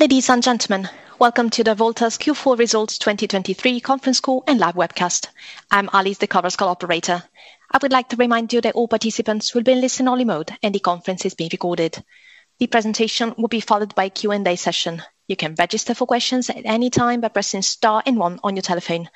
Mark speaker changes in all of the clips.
Speaker 1: Ladies and gentlemen, welcome to Avolta's Q4 Results 2023 conference call and live webcast. I'm Alice, the Chorus Call operator. I would like to remind you that all participants will be in listen-only mode, and the conference is being recorded. The presentation will be followed by a Q&A session. You can register for questions at any time by pressing *1 on your telephone.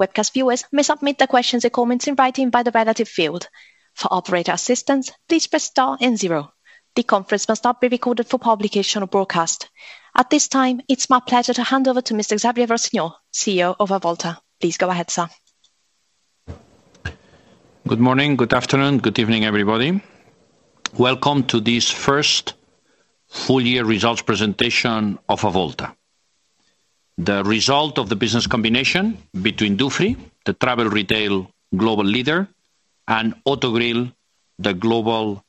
Speaker 1: Webcast viewers may submit their questions and comments in writing by the relevant field. For operator assistance, please press *0. The conference must not be recorded for publication or broadcast. At this time, it's my pleasure to hand over to Mr. Xavier Rossinyol, CEO of Avolta. Please go ahead, sir.
Speaker 2: Good morning, good afternoon, good evening, everybody. Welcome to this first full-year results presentation of Avolta, the result of the business combination between Dufry, the travel retail global leader, and Autogrill, the global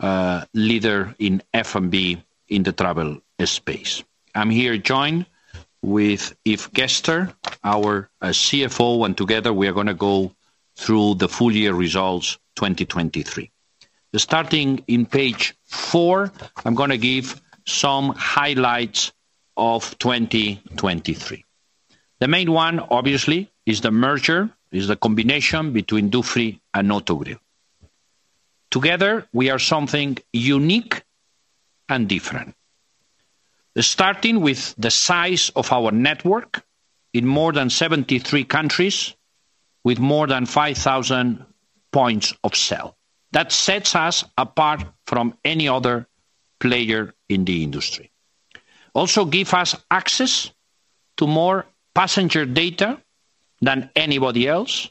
Speaker 2: leader in F&B in the travel space. I'm here joined with Yves Gerster, our CFO, and together we are going to go through the full-year results 2023. Starting in page 4, I'm going to give some highlights of 2023. The main one, obviously, is the merger, is the combination between Dufry and Autogrill. Together, we are something unique and different. Starting with the size of our network in more than 73 countries, with more than 5,000 points of sale. That sets us apart from any other player in the industry. Also, it gives us access to more passenger data than anybody else,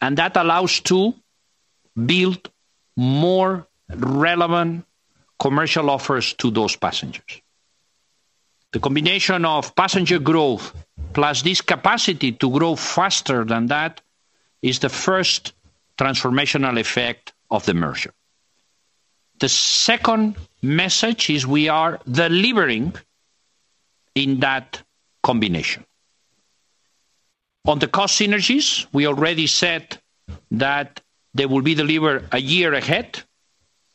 Speaker 2: and that allows us to build more relevant commercial offers to those passengers. The combination of passenger growth plus this capacity to grow faster than that is the first transformational effect of the merger. The second message is we are delivering in that combination. On the cost synergies, we already said that they will be delivered a year ahead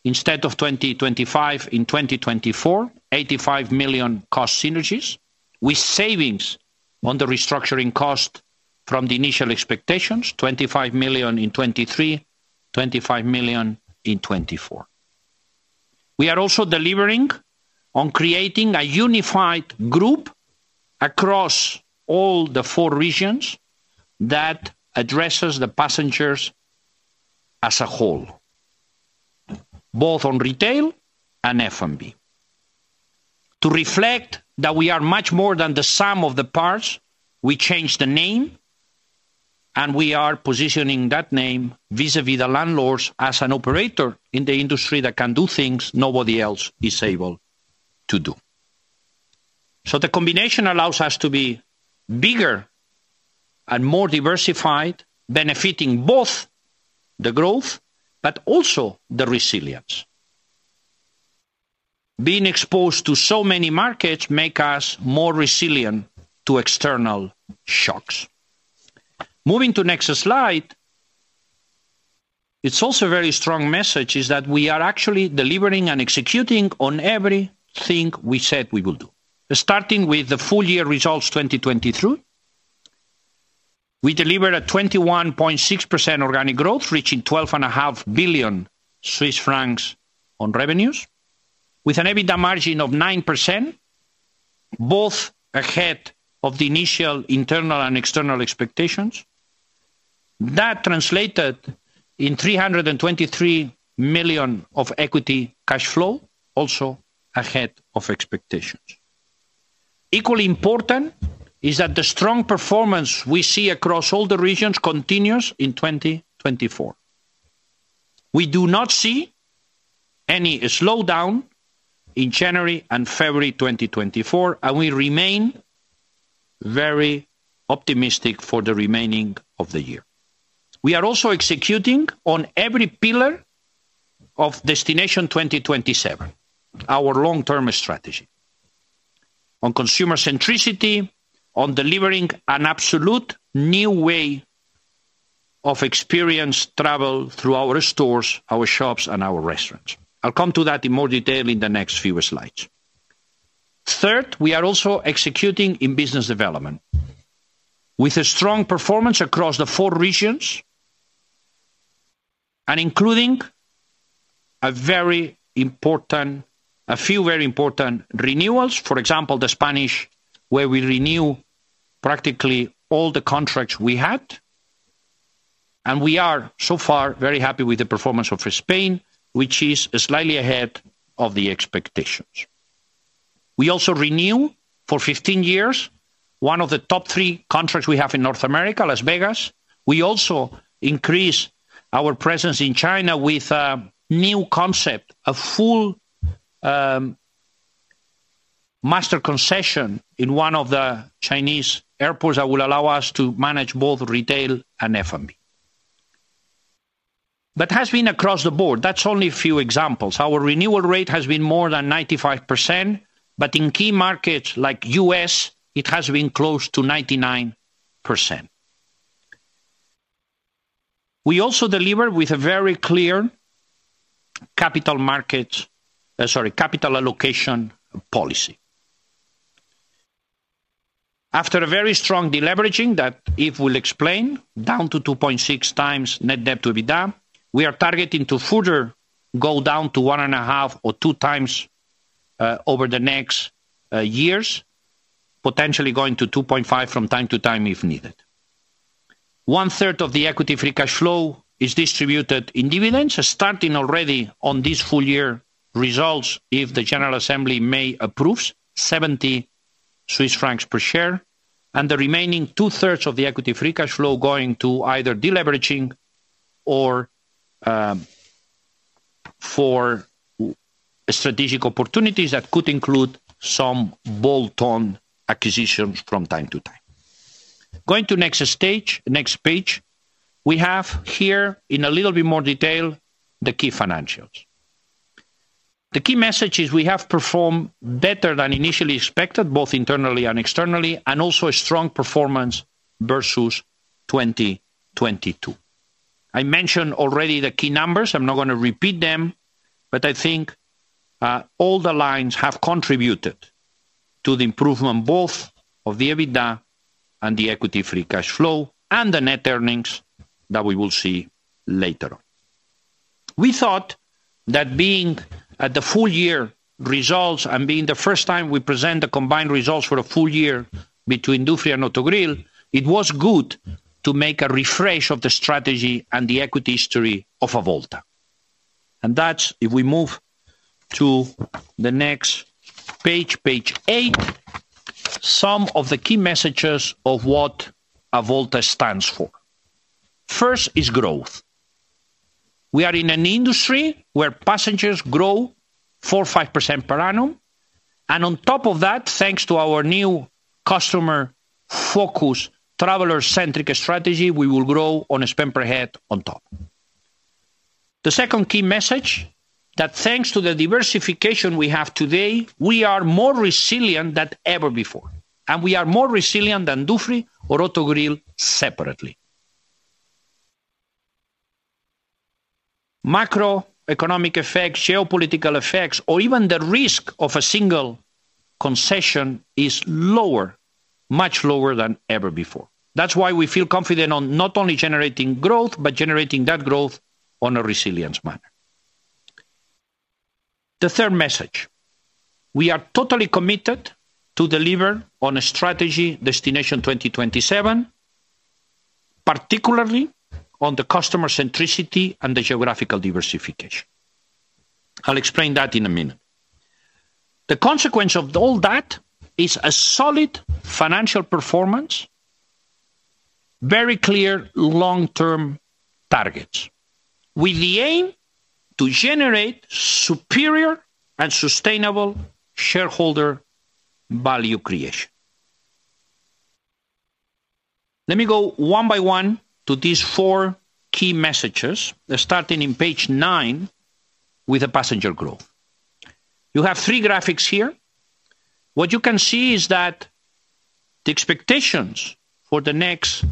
Speaker 2: instead of 2025. In 2024, 85 million cost synergies with savings on the restructuring cost from the initial expectations, 25 million in 2023, 25 million in 2024. We are also delivering on creating a unified group across all the four regions that addresses the passengers as a whole, both on retail and F&B. To reflect that we are much more than the sum of the parts, we changed the name, and we are positioning that name vis-à-vis the landlords as an operator in the industry that can do things nobody else is able to do. So the combination allows us to be bigger and more diversified, benefiting both the growth but also the resilience. Being exposed to so many markets makes us more resilient to external shocks. Moving to the next slide, it's also a very strong message that we are actually delivering and executing on everything we said we will do. Starting with the full-year results 2023, we delivered a 21.6% organic growth, reaching 12.5 billion Swiss francs on revenues, with an EBITDA margin of 9%, both ahead of the initial internal and external expectations. That translated in 323 million of equity cash flow, also ahead of expectations. Equally important is that the strong performance we see across all the regions continues in 2024. We do not see any slowdown in January and February 2024, and we remain very optimistic for the remaining of the year. We are also executing on every pillar of Destination 2027, our long-term strategy, on consumer centricity, on delivering an absolute new way of experiencing travel through our stores, our shops, and our restaurants. I'll come to that in more detail in the next few slides. Third, we are also executing in business development with a strong performance across the four regions, including a few very important renewals. For example, the Spanish, where we renewed practically all the contracts we had. And we are so far very happy with the performance of Spain, which is slightly ahead of the expectations. We also renewed for 15 years one of the top three contracts we have in North America, Las Vegas. We also increased our presence in China with a new concept, a full master concession in one of the Chinese airports that will allow us to manage both retail and F&B. That has been across the board. That's only a few examples. Our renewal rate has been more than 95%, but in key markets like the US, it has been close to 99%. We also deliver with a very clear capital allocation policy. After a very strong deleveraging that Yves will explain, down to 2.6x net debt to EBITDA, we are targeting to further go down to 1.5x or 2x over the next years, potentially going to 2.5x from time to time if needed. One-third of the equity free cash flow is distributed in dividends, starting already on this full-year results if the General Assembly may approve, 70 Swiss francs per share, and the remaining two-thirds of the equity free cash flow going to either deleveraging or for strategic opportunities that could include some bolt-on acquisitions from time to time. Going to the next page, we have here in a little bit more detail the key financials. The key message is we have performed better than initially expected, both internally and externally, and also a strong performance versus 2022. I mentioned already the key numbers. I'm not going to repeat them, but I think all the lines have contributed to the improvement both of the EBITDA and the Equity Free Cash Flow and the net earnings that we will see later on. We thought that being at the full-year results and being the first time we present the combined results for a full year between Dufry and Autogrill, it was good to make a refresh of the strategy and the equity history of Avolta. And that's, if we move to the next page, page 8, some of the key messages of what Avolta stands for. First is growth. We are in an industry where passengers grow 4%, 5% per annum. On top of that, thanks to our new customer-focused, traveler-centric strategy, we will grow on a spend per head on top. The second key message is that thanks to the diversification we have today, we are more resilient than ever before. We are more resilient than Dufry or Autogrill separately. Macroeconomic effects, geopolitical effects, or even the risk of a single concession is lower, much lower than ever before. That's why we feel confident on not only generating growth, but generating that growth in a resilient manner. The third message is we are totally committed to deliver on a strategy Destination 2027, particularly on the customer centricity and the geographical diversification. I'll explain that in a minute. The consequence of all that is a solid financial performance, very clear long-term targets with the aim to generate superior and sustainable shareholder value creation. Let me go one by one to these four key messages, starting on page 9 with the passenger growth. You have three graphics here. What you can see is that the expectations for the next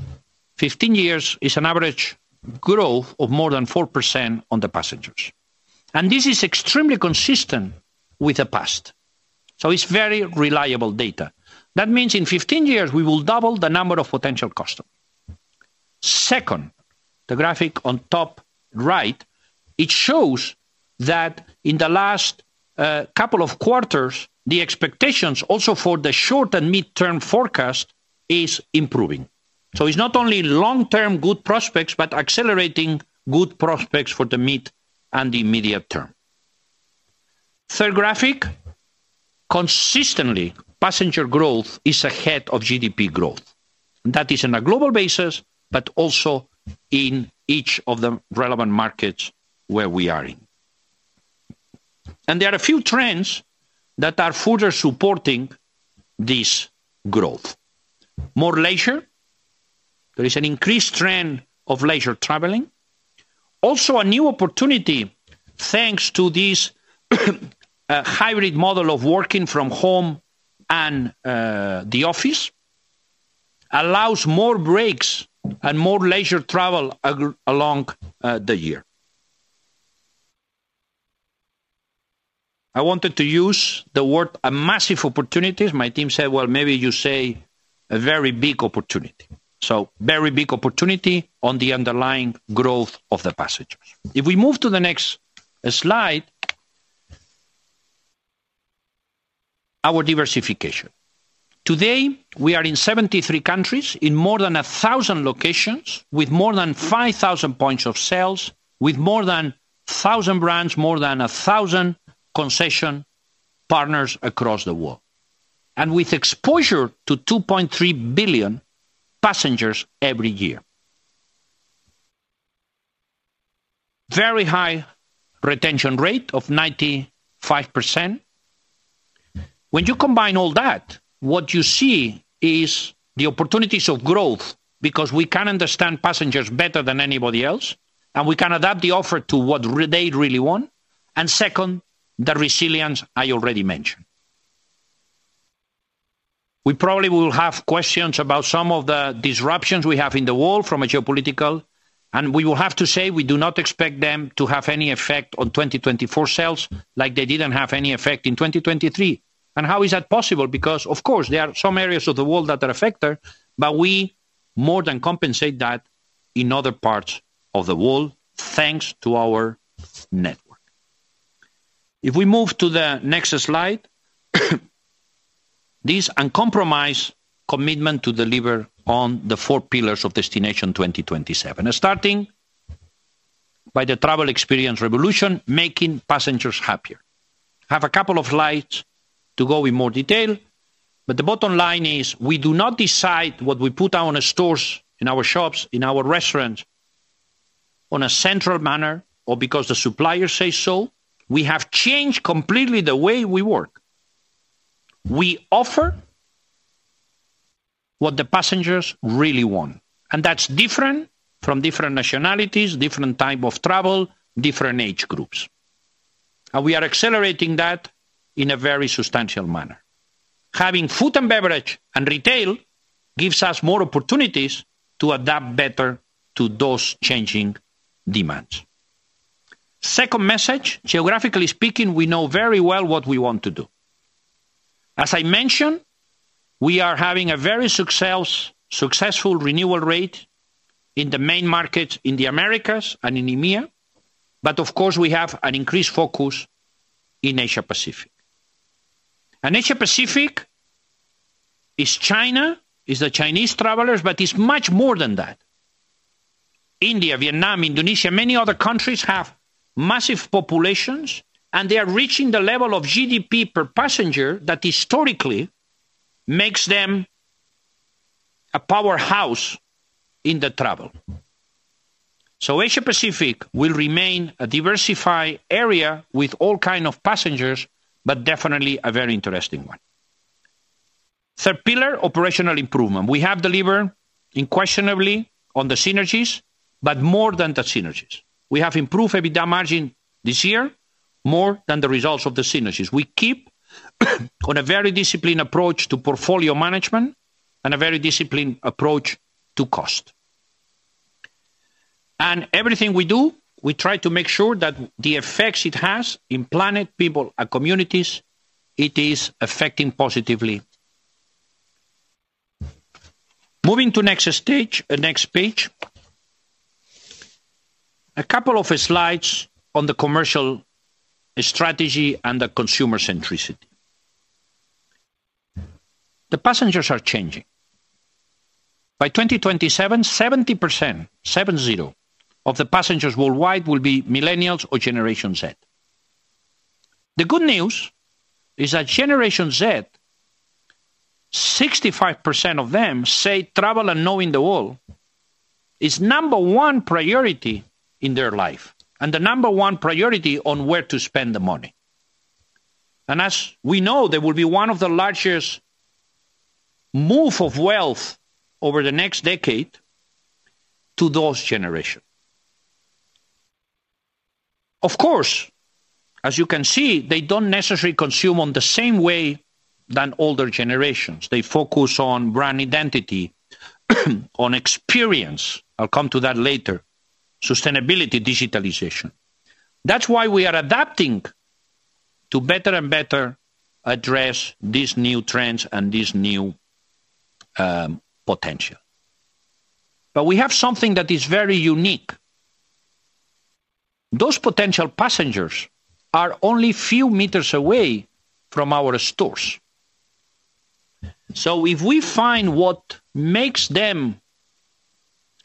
Speaker 2: 15 years are an average growth of more than 4% on the passengers. This is extremely consistent with the past. It's very reliable data. That means in 15 years, we will double the number of potential customers. Second, the graphic on top right, it shows that in the last couple of quarters, the expectations also for the short and mid-term forecast are improving. It's not only long-term good prospects, but accelerating good prospects for the mid and the immediate term. Third graphic, consistently, passenger growth is ahead of GDP growth. That is on a global basis, but also in each of the relevant markets where we are in. There are a few trends that are further supporting this growth. More leisure. There is an increased trend of leisure traveling. Also, a new opportunity, thanks to this hybrid model of working from home and the office, allows more breaks and more leisure travel along the year. I wanted to use the word "a massive opportunity." My team said, "Well, maybe you say a very big opportunity." So very big opportunity on the underlying growth of the passengers. If we move to the next slide, our diversification. Today, we are in 73 countries, in more than 1,000 locations, with more than 5,000 points of sales, with more than 1,000 brands, more than 1,000 concession partners across the world, and with exposure to 2.3 billion passengers every year. Very high retention rate of 95%. When you combine all that, what you see is the opportunities of growth because we can understand passengers better than anybody else, and we can adapt the offer to what they really want. And second, the resilience I already mentioned. We probably will have questions about some of the disruptions we have in the world from a geopolitical perspective. And we will have to say we do not expect them to have any effect on 2024 sales like they didn't have any effect in 2023. And how is that possible? Because, of course, there are some areas of the world that are affected, but we more than compensate that in other parts of the world thanks to our network. If we move to the next slide, this uncompromised commitment to deliver on the four pillars of Destination 2027, starting by the travel experience revolution, making passengers happier. I have a couple of slides to go with more detail, but the bottom line is we do not decide what we put on our stores, in our shops, in our restaurants on a central manner or because the suppliers say so. We have changed completely the way we work. We offer what the passengers really want. And that's different from different nationalities, different types of travel, different age groups. And we are accelerating that in a very substantial manner. Having food and beverage and retail gives us more opportunities to adapt better to those changing demands. Second message, geographically speaking, we know very well what we want to do. As I mentioned, we are having a very successful renewal rate in the main markets in the Americas and in EMEA. But, of course, we have an increased focus in Asia-Pacific. And Asia-Pacific is China, is the Chinese travelers, but it's much more than that. India, Vietnam, Indonesia, many other countries have massive populations, and they are reaching the level of GDP per passenger that historically makes them a powerhouse in the travel. So Asia-Pacific will remain a diversified area with all kinds of passengers, but definitely a very interesting one. Third pillar, operational improvement. We have delivered unquestionably on the synergies, but more than the synergies. We have improved EBITDA margin this year more than the results of the synergies. We keep on a very disciplined approach to portfolio management and a very disciplined approach to cost. And everything we do, we try to make sure that the effects it has on planet, people, and communities, it is affecting positively. Moving to the next page, a couple of slides on the commercial strategy and the consumer centricity. The passengers are changing. By 2027, 70% of the passengers worldwide will be Millennials or Generation Z. The good news is that Generation Z, 65% of them say travel and knowing the world is number one priority in their life and the number one priority on where to spend the money. And as we know, there will be one of the largest moves of wealth over the next decade to those generations. Of course, as you can see, they don't necessarily consume in the same way than older generations. They focus on brand identity, on experience (I'll come to that later), sustainability, digitalization. That's why we are adapting to better and better address these new trends and this new potential. But we have something that is very unique. Those potential passengers are only a few meters away from our stores. So if we find what makes them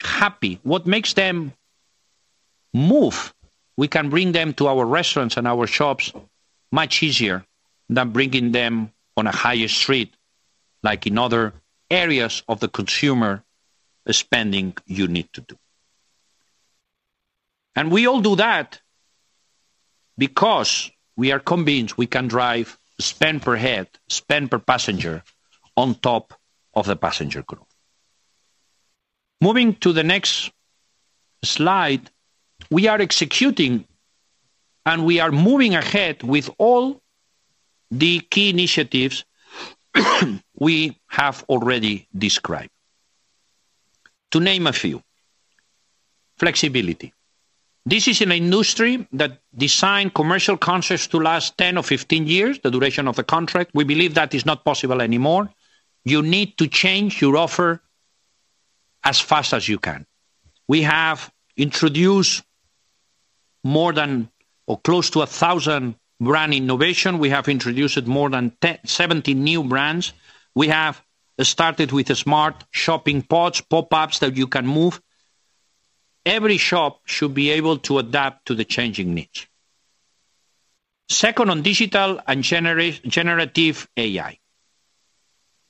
Speaker 2: happy, what makes them move, we can bring them to our restaurants and our shops much easier than bringing them on a high street like in other areas of the consumer spending you need to do. And we all do that because we are convinced we can drive spend per head, spend per passenger on top of the passenger growth. Moving to the next slide, we are executing and we are moving ahead with all the key initiatives we have already described, to name a few. Flexibility. This is an industry that designed commercial contracts to last 10 or 15 years, the duration of the contract. We believe that is not possible anymore. You need to change your offer as fast as you can. We have introduced more than or close to 1,000 brand innovations. We have introduced more than 70 new brands. We have started with Smart Shopping Pods, pop-ups that you can move. Every shop should be able to adapt to the changing needs. Second, on digital and Generative AI.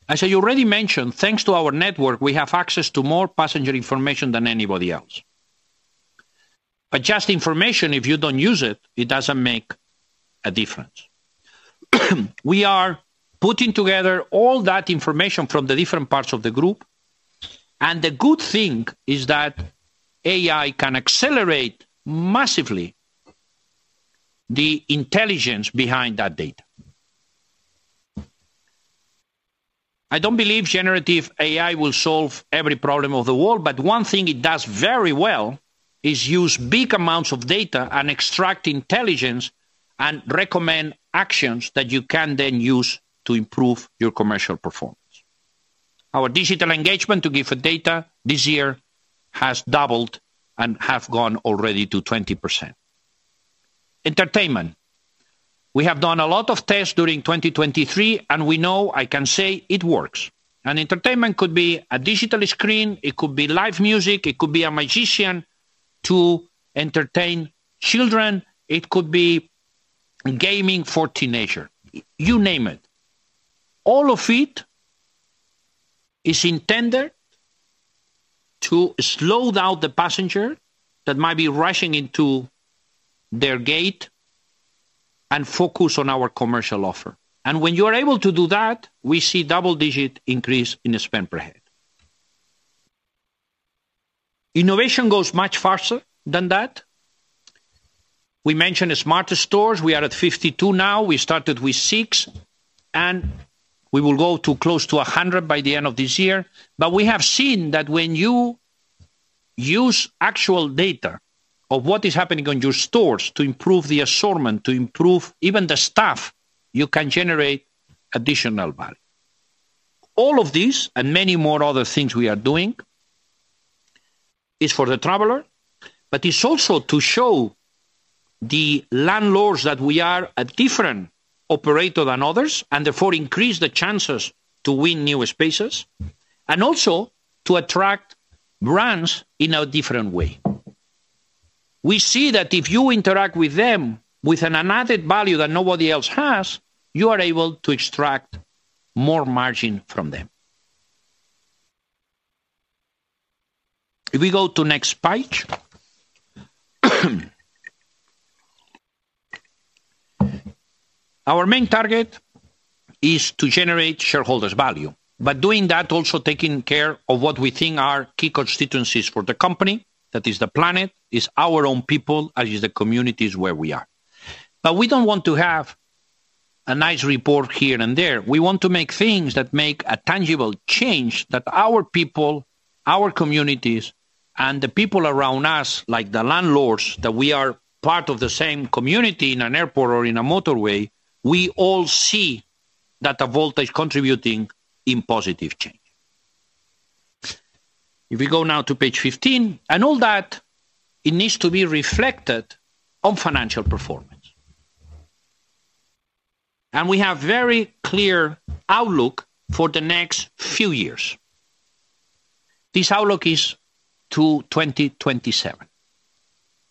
Speaker 2: As I already mentioned, thanks to our network, we have access to more passenger information than anybody else. But just information, if you don't use it, it doesn't make a difference. We are putting together all that information from the different parts of the group. And the good thing is that AI can accelerate massively the intelligence behind that data. I don't believe Generative AI will solve every problem of the world, but one thing it does very well is use big amounts of data and extract intelligence and recommend actions that you can then use to improve your commercial performance. Our digital engagement to give data this year has doubled and has gone already to 20%. Entertainment. We have done a lot of tests during 2023, and we know, I can say, it works. And entertainment could be a digital screen. It could be live music. It could be a magician to entertain children. It could be gaming for teenagers. You name it. All of it is intended to slow down the passenger that might be rushing into their gate and focus on our commercial offer. When you are able to do that, we see a double-digit increase in spend per head. Innovation goes much faster than that. We mentioned smart stores. We are at 52 now. We started with 6. We will go close to 100 by the end of this year. But we have seen that when you use actual data of what is happening on your stores to improve the assortment, to improve even the staff, you can generate additional value. All of this and many more other things we are doing is for the traveler, but it's also to show the landlords that we are a different operator than others and, therefore, increase the chances to win new spaces and also to attract brands in a different way. We see that if you interact with them with an added value that nobody else has, you are able to extract more margin from them. If we go to the next page, our main target is to generate shareholders' value. But doing that, also taking care of what we think are key constituencies for the company, that is the planet, is our own people as is the communities where we are. But we don't want to have a nice report here and there. We want to make things that make a tangible change that our people, our communities, and the people around us, like the landlords that we are part of the same community in an airport or in a motorway, we all see that Avolta contributing in positive change. If we go now to page 15, and all that, it needs to be reflected on financial performance. We have a very clear outlook for the next few years. This outlook is to 2027.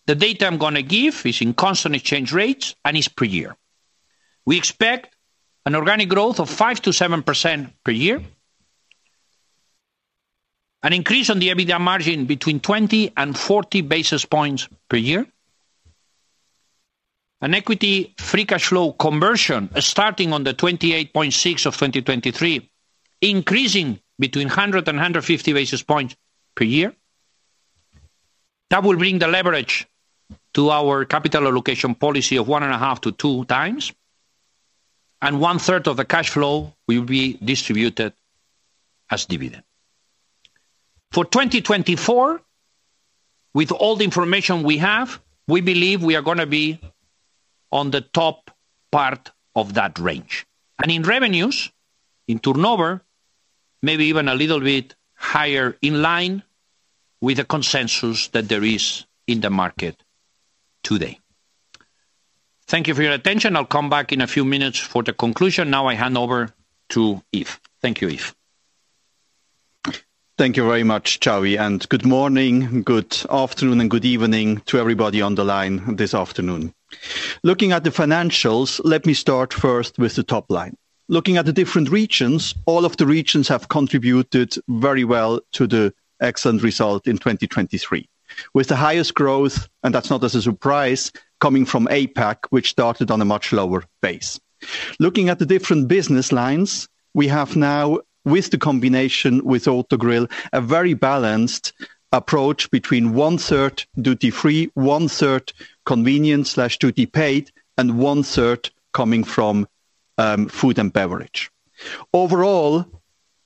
Speaker 2: The data I'm going to give is in constant exchange rates and is per year. We expect an organic growth of 5%-7% per year, an increase on the EBITDA margin between 20 and 40 basis points per year, an equity free cash flow conversion starting on the 28.6% of 2023, increasing between 100 and 150 basis points per year. That will bring the leverage to our capital allocation policy of 1.5-2 times. One-third of the cash flow will be distributed as dividend. For 2024, with all the information we have, we believe we are going to be on the top part of that range. In revenues, in turnover, maybe even a little bit higher in line with the consensus that there is in the market today. Thank you for your attention. I'll come back in a few minutes for the conclusion. Now I hand over to Yves. Thank you, Yves.
Speaker 3: Thank you very much, Xavier. Good morning, good afternoon, and good evening to everybody on the line this afternoon. Looking at the financials, let me start first with the top line. Looking at the different regions, all of the regions have contributed very well to the excellent result in 2023 with the highest growth, and that's not as a surprise, coming from APAC, which started on a much lower base. Looking at the different business lines, we have now, with the combination with Autogrill, a very balanced approach between one-third duty-free, one-third convenience/duty-paid, and one-third coming from food and beverage. Overall,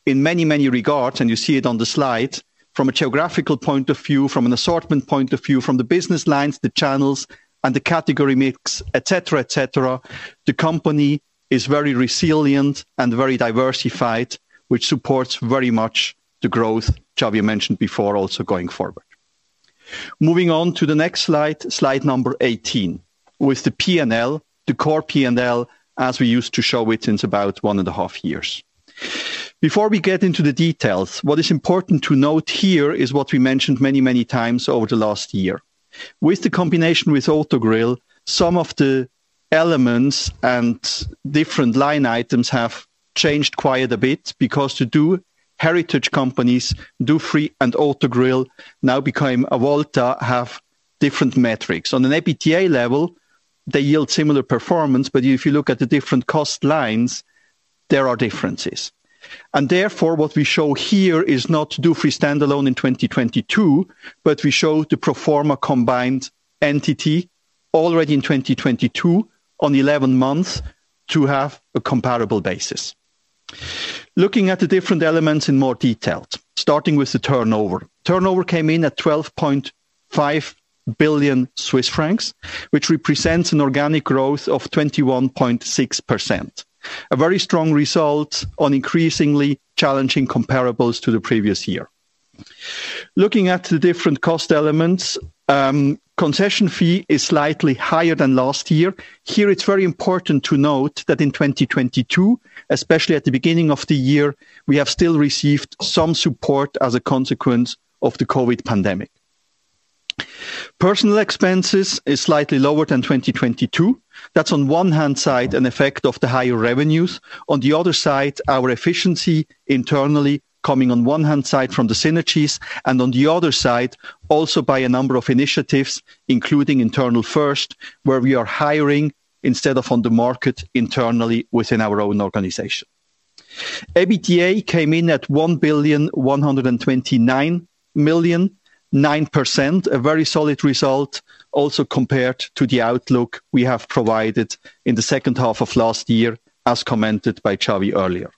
Speaker 3: in many, many regards, and you see it on the slide, from a geographical point of view, from an assortment point of view, from the business lines, the channels, and the category mix, etc., etc., the company is very resilient and very diversified, which supports very much the growth Xavier mentioned before also going forward. Moving on to the next slide, slide number 18, with the P&L, the core P&L, as we used to show it since about one and a half years. Before we get into the details, what is important to note here is what we mentioned many, many times over the last year. With the combination with Autogrill, some of the elements and different line items have changed quite a bit because heritage companies, Dufry and Autogrill, now become Avolta, have different metrics. On an EBITDA level, they yield similar performance. But if you look at the different cost lines, there are differences. And therefore, what we show here is not Dufry standalone in 2022, but we show the pro forma combined entity already in 2022 on 11 months to have a comparable basis. Looking at the different elements in more detail, starting with the turnover. Turnover came in at 12.5 billion Swiss francs, which represents an organic growth of 21.6%, a very strong result on increasingly challenging comparables to the previous year. Looking at the different cost elements, concession fee is slightly higher than last year. Here, it's very important to note that in 2022, especially at the beginning of the year, we have still received some support as a consequence of the COVID pandemic. Personal expenses are slightly lower than 2022. That's, on one hand side, an effect of the higher revenues. On the other side, our efficiency internally coming on one hand side from the synergies. And on the other side, also by a number of initiatives, including Internal First, where we are hiring instead of on the market internally within our own organization. APTA came in at 1,129 million, 9%, a very solid result also compared to the outlook we have provided in the second half of last year, as commented by Chawi earlier.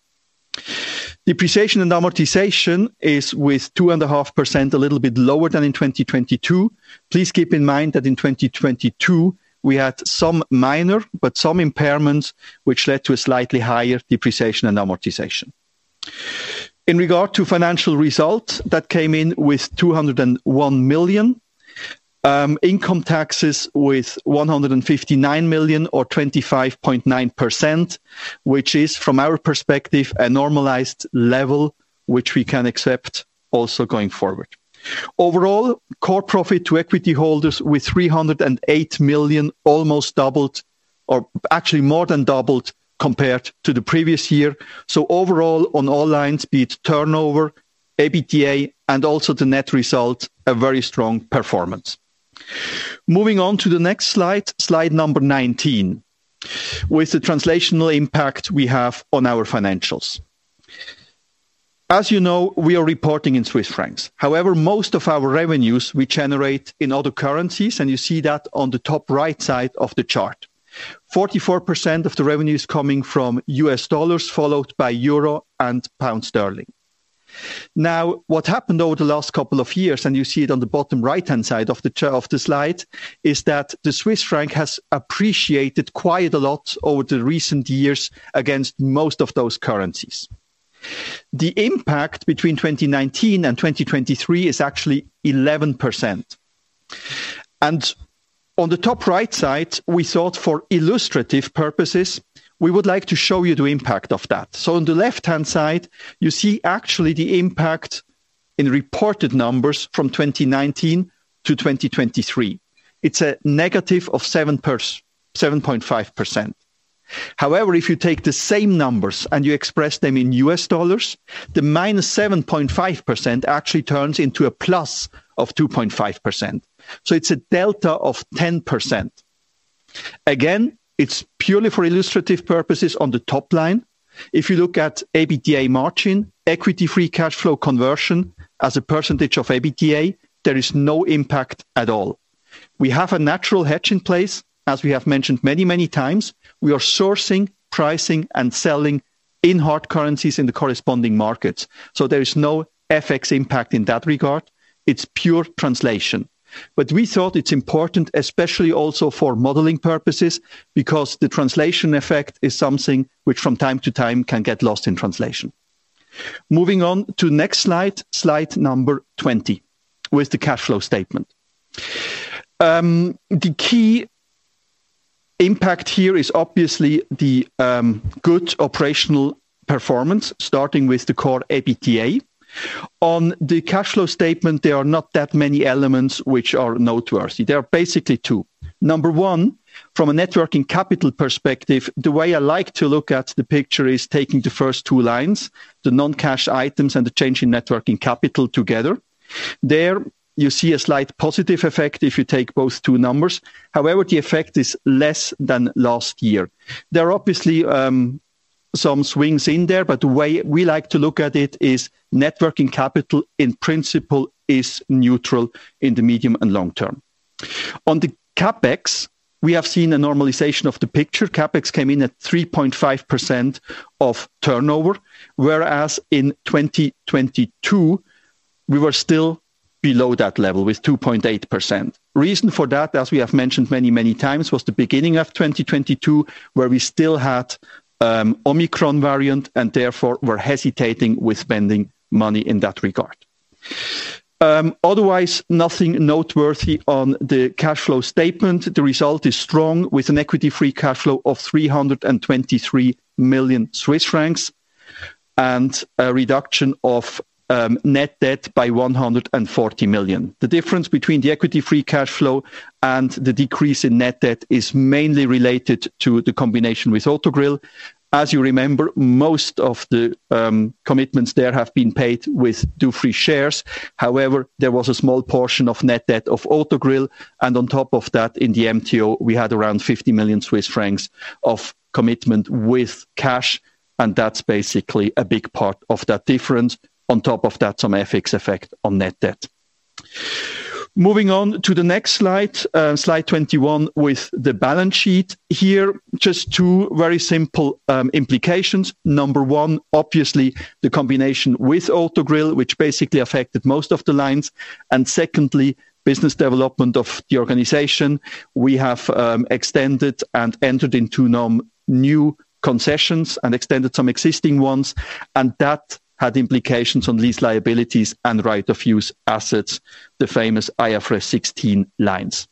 Speaker 3: Depreciation and amortization are with 2.5%, a little bit lower than in 2022. Please keep in mind that in 2022, we had some minor but some impairments, which led to a slightly higher depreciation and amortization. In regard to financial results, that came in with 201 million, income taxes with 159 million or 25.9%, which is, from our perspective, a normalized level, which we can accept also going forward. Overall, core profit to equity holders with 308 million almost doubled or actually more than doubled compared to the previous year. So overall, on all lines, be it turnover, APTA, and also the net result, a very strong performance. Moving on to the next slide, slide number 19, with the translational impact we have on our financials. As you know, we are reporting in Swiss francs. However, most of our revenues, we generate in other currencies. You see that on the top right side of the chart. 44% of the revenue is coming from US dollars, followed by euro and pound sterling. Now, what happened over the last couple of years, and you see it on the bottom right-hand side of the slide, is that the Swiss franc has appreciated quite a lot over the recent years against most of those currencies. The impact between 2019 and 2023 is actually 11%. On the top right side, we thought for illustrative purposes, we would like to show you the impact of that. So on the left-hand side, you see actually the impact in reported numbers from 2019 to 2023. It's a negative of 7.5%. However, if you take the same numbers and you express them in US dollars, the minus 7.5% actually turns into a plus of 2.5%. So it's a delta of 10%. Again, it's purely for illustrative purposes on the top line. If you look at APTA margin, equity free cash flow conversion as a percentage of APTA, there is no impact at all. We have a natural hedge in place. As we have mentioned many, many times, we are sourcing, pricing, and selling in hard currencies in the corresponding markets. So there is no FX impact in that regard. It's pure translation. But we thought it's important, especially also for modeling purposes, because the translation effect is something which, from time to time, can get lost in translation. Moving on to the next slide, slide number 20, with the cash flow statement. The key impact here is obviously the good operational performance, starting with the core EBITDA. On the cash flow statement, there are not that many elements which are noteworthy. There are basically two. Number one, from a net working capital perspective, the way I like to look at the picture is taking the first two lines, the non-cash items and the change in net working capital, together. There, you see a slight positive effect if you take both two numbers. However, the effect is less than last year. There are obviously some swings in there. But the way we like to look at it is net working capital, in principle, is neutral in the medium and long term. On the CapEx, we have seen a normalization of the picture. CapEx came in at 3.5% of turnover, whereas in 2022, we were still below that level with 2.8%. Reason for that, as we have mentioned many, many times, was the beginning of 2022, where we still had Omicron variant and therefore were hesitating with spending money in that regard. Otherwise, nothing noteworthy on the cash flow statement. The result is strong with an equity free cash flow of 323 million Swiss francs and a reduction of net debt by 140 million. The difference between the equity free cash flow and the decrease in net debt is mainly related to the combination with Autogrill. As you remember, most of the commitments there have been paid with Dufry shares. However, there was a small portion of net debt of Autogrill. And on top of that, in the MTO, we had around 50 million Swiss francs of commitment with cash. And that's basically a big part of that difference, on top of that, some FX effect on net debt. Moving on to the next slide, slide 21, with the balance sheet here, just two very simple implications. Number one, obviously, the combination with Autogrill, which basically affected most of the lines. And secondly, business development of the organization. We have extended and entered into new concessions and extended some existing ones. And that had implications on lease liabilities and right of use assets, the famous IFRS 16 lines.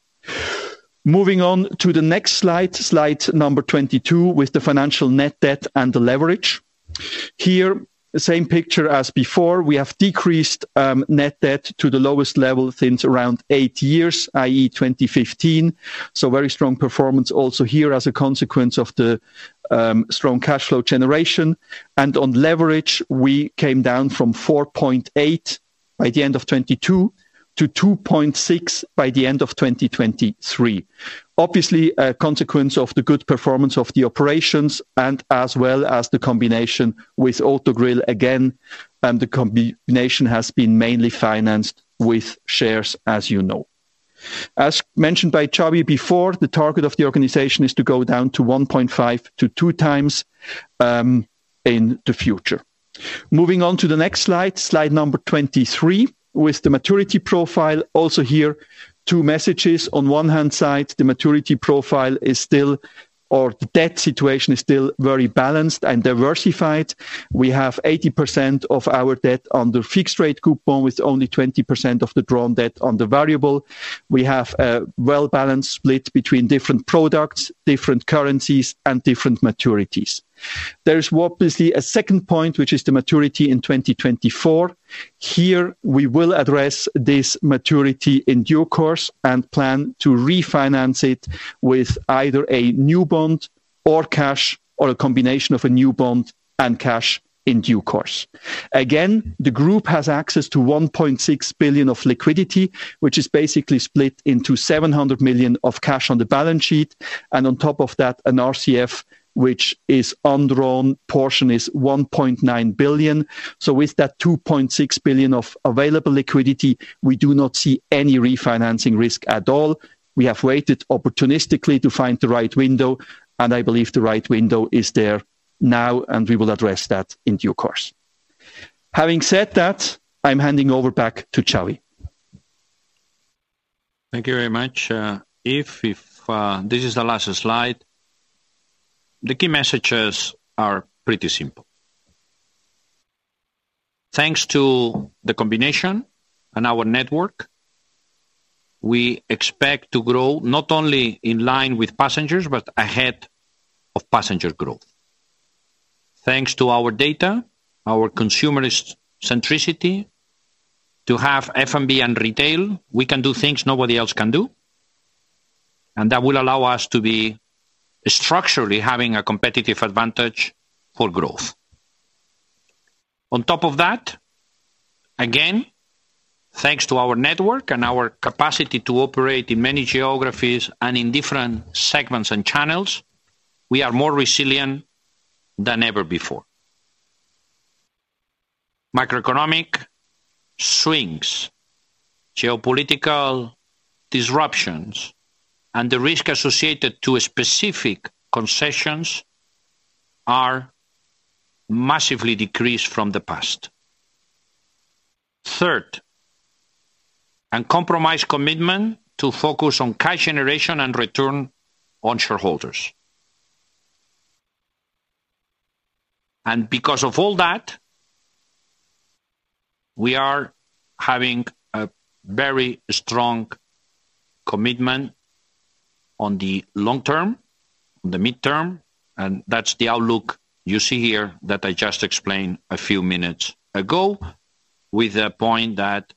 Speaker 3: Moving on to the next slide, slide number 22, with the financial net debt and the leverage. Here, same picture as before. We have decreased net debt to the lowest level since around eight years, i.e., 2015. So very strong performance also here as a consequence of the strong cash flow generation. And on leverage, we came down from 4.8x by the end of 2022 to 2.6x by the end of 2023, obviously a consequence of the good performance of the operations and as well as the combination with Autogrill. Again, the combination has been mainly financed with shares, as you know. As mentioned by Chawi before, the target of the organization is to go down to 1.5x-2x times in the future. Moving on to the next slide, slide number 23, with the maturity profile. Also here, two messages. On one hand side, the maturity profile is still or the debt situation is still very balanced and diversified. We have 80% of our debt under fixed-rate coupon with only 20% of the drawn debt on the variable. We have a well-balanced split between different products, different currencies, and different maturities. There is obviously a second point, which is the maturity in 2024. Here, we will address this maturity in due course and plan to refinance it with either a new bond or cash or a combination of a new bond and cash in due course. Again, the group has access to 1.6 billion of liquidity, which is basically split into 700 million of cash on the balance sheet. And on top of that, an RCF, which is undrawn, portion is 1.9 billion. So with that 2.6 billion of available liquidity, we do not see any refinancing risk at all. We have waited opportunistically to find the right window. I believe the right window is there now. We will address that in due course. Having said that, I'm handing over back to Xavier.
Speaker 2: Thank you very much. If this is the last slide, the key messages are pretty simple. Thanks to the combination and our network, we expect to grow not only in line with passengers but ahead of passenger growth. Thanks to our data, our consumer centricity, to have F&B and retail, we can do things nobody else can do. And that will allow us to be structurally having a competitive advantage for growth. On top of that, again, thanks to our network and our capacity to operate in many geographies and in different segments and channels, we are more resilient than ever before. Macroeconomic swings, geopolitical disruptions, and the risk associated to specific concessions are massively decreased from the past. Third, uncompromised commitment to focus on cash generation and return on shareholders. And because of all that, we are having a very strong commitment on the long term, on the mid term. And that's the outlook you see here that I just explained a few minutes ago with the point that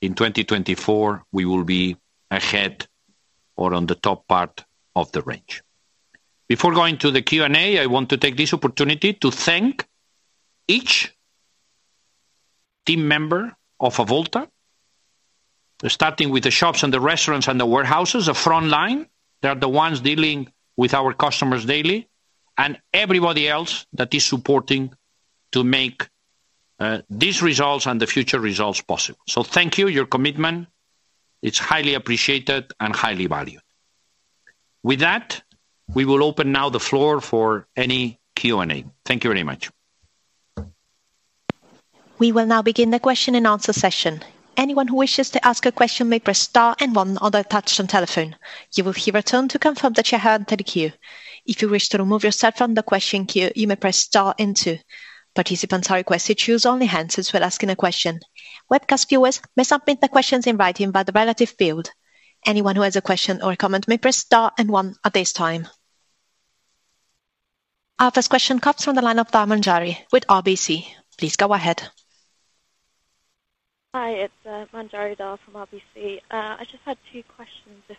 Speaker 2: in 2024, we will be ahead or on the top part of the range. Before going to the Q&A, I want to take this opportunity to thank each team member of Avolta, starting with the shops and the restaurants and the warehouses, the front line. They are the ones dealing with our customers daily and everybody else that is supporting to make these results and the future results possible. So thank you, your commitment. It's highly appreciated and highly valued. With that, we will open now the floor for any Q&A. Thank you very much.
Speaker 1: We will now begin the question and answer session. Anyone who wishes to ask a question may press star then one on their touchtone telephone. You will hear a tone to confirm that you've been placed in the queue. If you wish to remove yourself from the question queue, you may press star then two. Participants are requested to use the handset only while asking a question. Webcast viewers may submit their questions in writing in the relevant field. Anyone who has a question or a comment may press star then one at this time. Our first question comes from the line of Manjari Dhar with RBC. Please go ahead.
Speaker 4: Hi. It's Manjari Dhar from RBC. I just had two questions if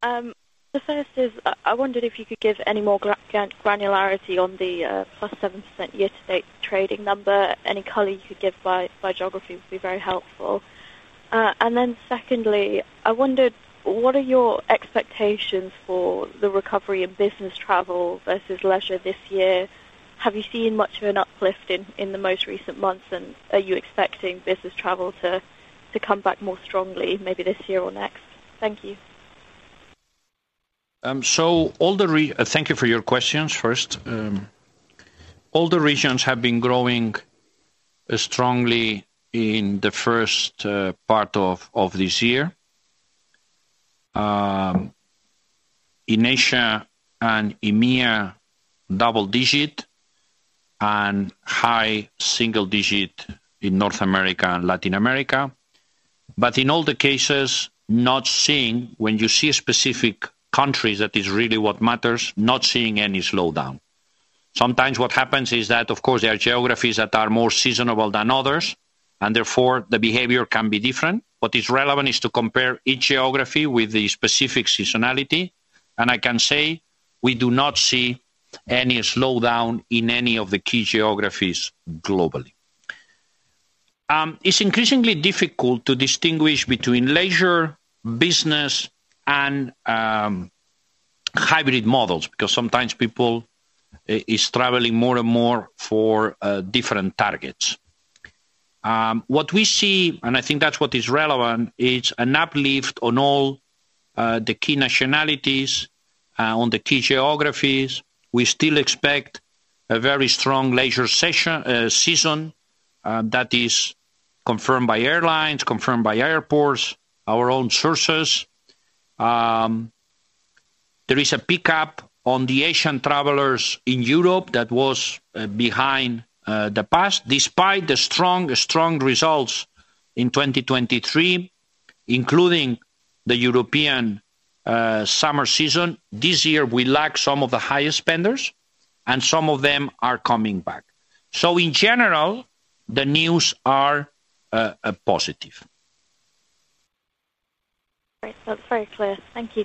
Speaker 4: I may. The first is I wondered if you could give any more granularity on the +7% year-to-date trading number. Any color you could give by geography would be very helpful. And then secondly, I wondered, what are your expectations for the recovery in business travel versus leisure this year? Have you seen much of an uplift in the most recent months? And are you expecting business travel to come back more strongly, maybe this year or next? Thank you.
Speaker 2: So thank you for your questions first. All the regions have been growing strongly in the first part of this year. In Asia and EMEA, double-digit, and high single-digit in North America and Latin America. But in all the cases, not seeing when you see specific countries, that is really what matters, not seeing any slowdown. Sometimes what happens is that, of course, there are geographies that are more seasonal than others. And therefore, the behavior can be different. What is relevant is to compare each geography with the specific seasonality. And I can say we do not see any slowdown in any of the key geographies globally. It's increasingly difficult to distinguish between leisure, business, and hybrid models because sometimes people are traveling more and more for different targets. What we see, and I think that's what is relevant, is an uplift on all the key nationalities, on the key geographies. We still expect a very strong leisure season that is confirmed by airlines, confirmed by airports, our own sources. There is a pickup on the Asian travelers in Europe that was behind the past despite the strong, strong results in 2023, including the European summer season. This year, we lack some of the highest spenders. Some of them are coming back. In general, the news are positive.
Speaker 4: That's very clear. Thank you.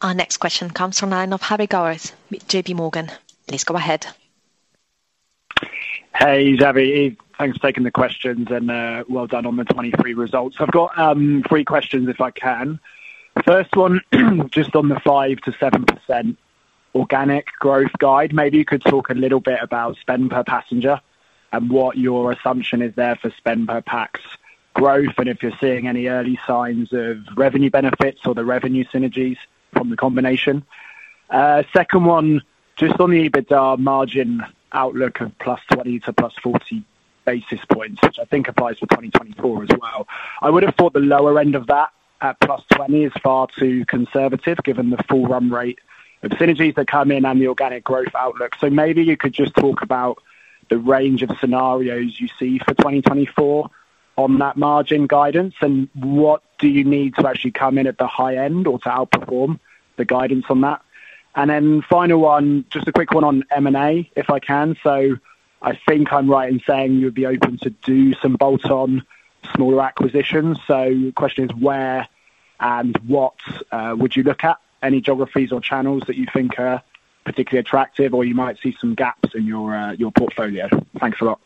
Speaker 1: Our next question comes from the line of Harry Gowers J.P. Morgan. Please go ahead.
Speaker 5: Hey, Xavier. Thanks for taking the questions. And well done on the 2023 results. I've got three questions, if I can. First one, just on the 5%-7% organic growth guide, maybe you could talk a little bit about spend per passenger and what your assumption is there for spend per PAX growth and if you're seeing any early signs of revenue benefits or the revenue synergies from the combination. Second one, just on the EBITDA margin outlook of +20 to +40 basis points, which I think applies for 2024 as well. I would have thought the lower end of that at +20 is far too conservative given the full run rate of synergies that come in and the organic growth outlook. So maybe you could just talk about the range of scenarios you see for 2024 on that margin guidance. What do you need to actually come in at the high end or to outperform the guidance on that? And then final one, just a quick one on M&A, if I can. So I think I'm right in saying you would be open to do some bolt-on, smaller acquisitions. So the question is where and what would you look at, any geographies or channels that you think are particularly attractive or you might see some gaps in your portfolio? Thanks a lot.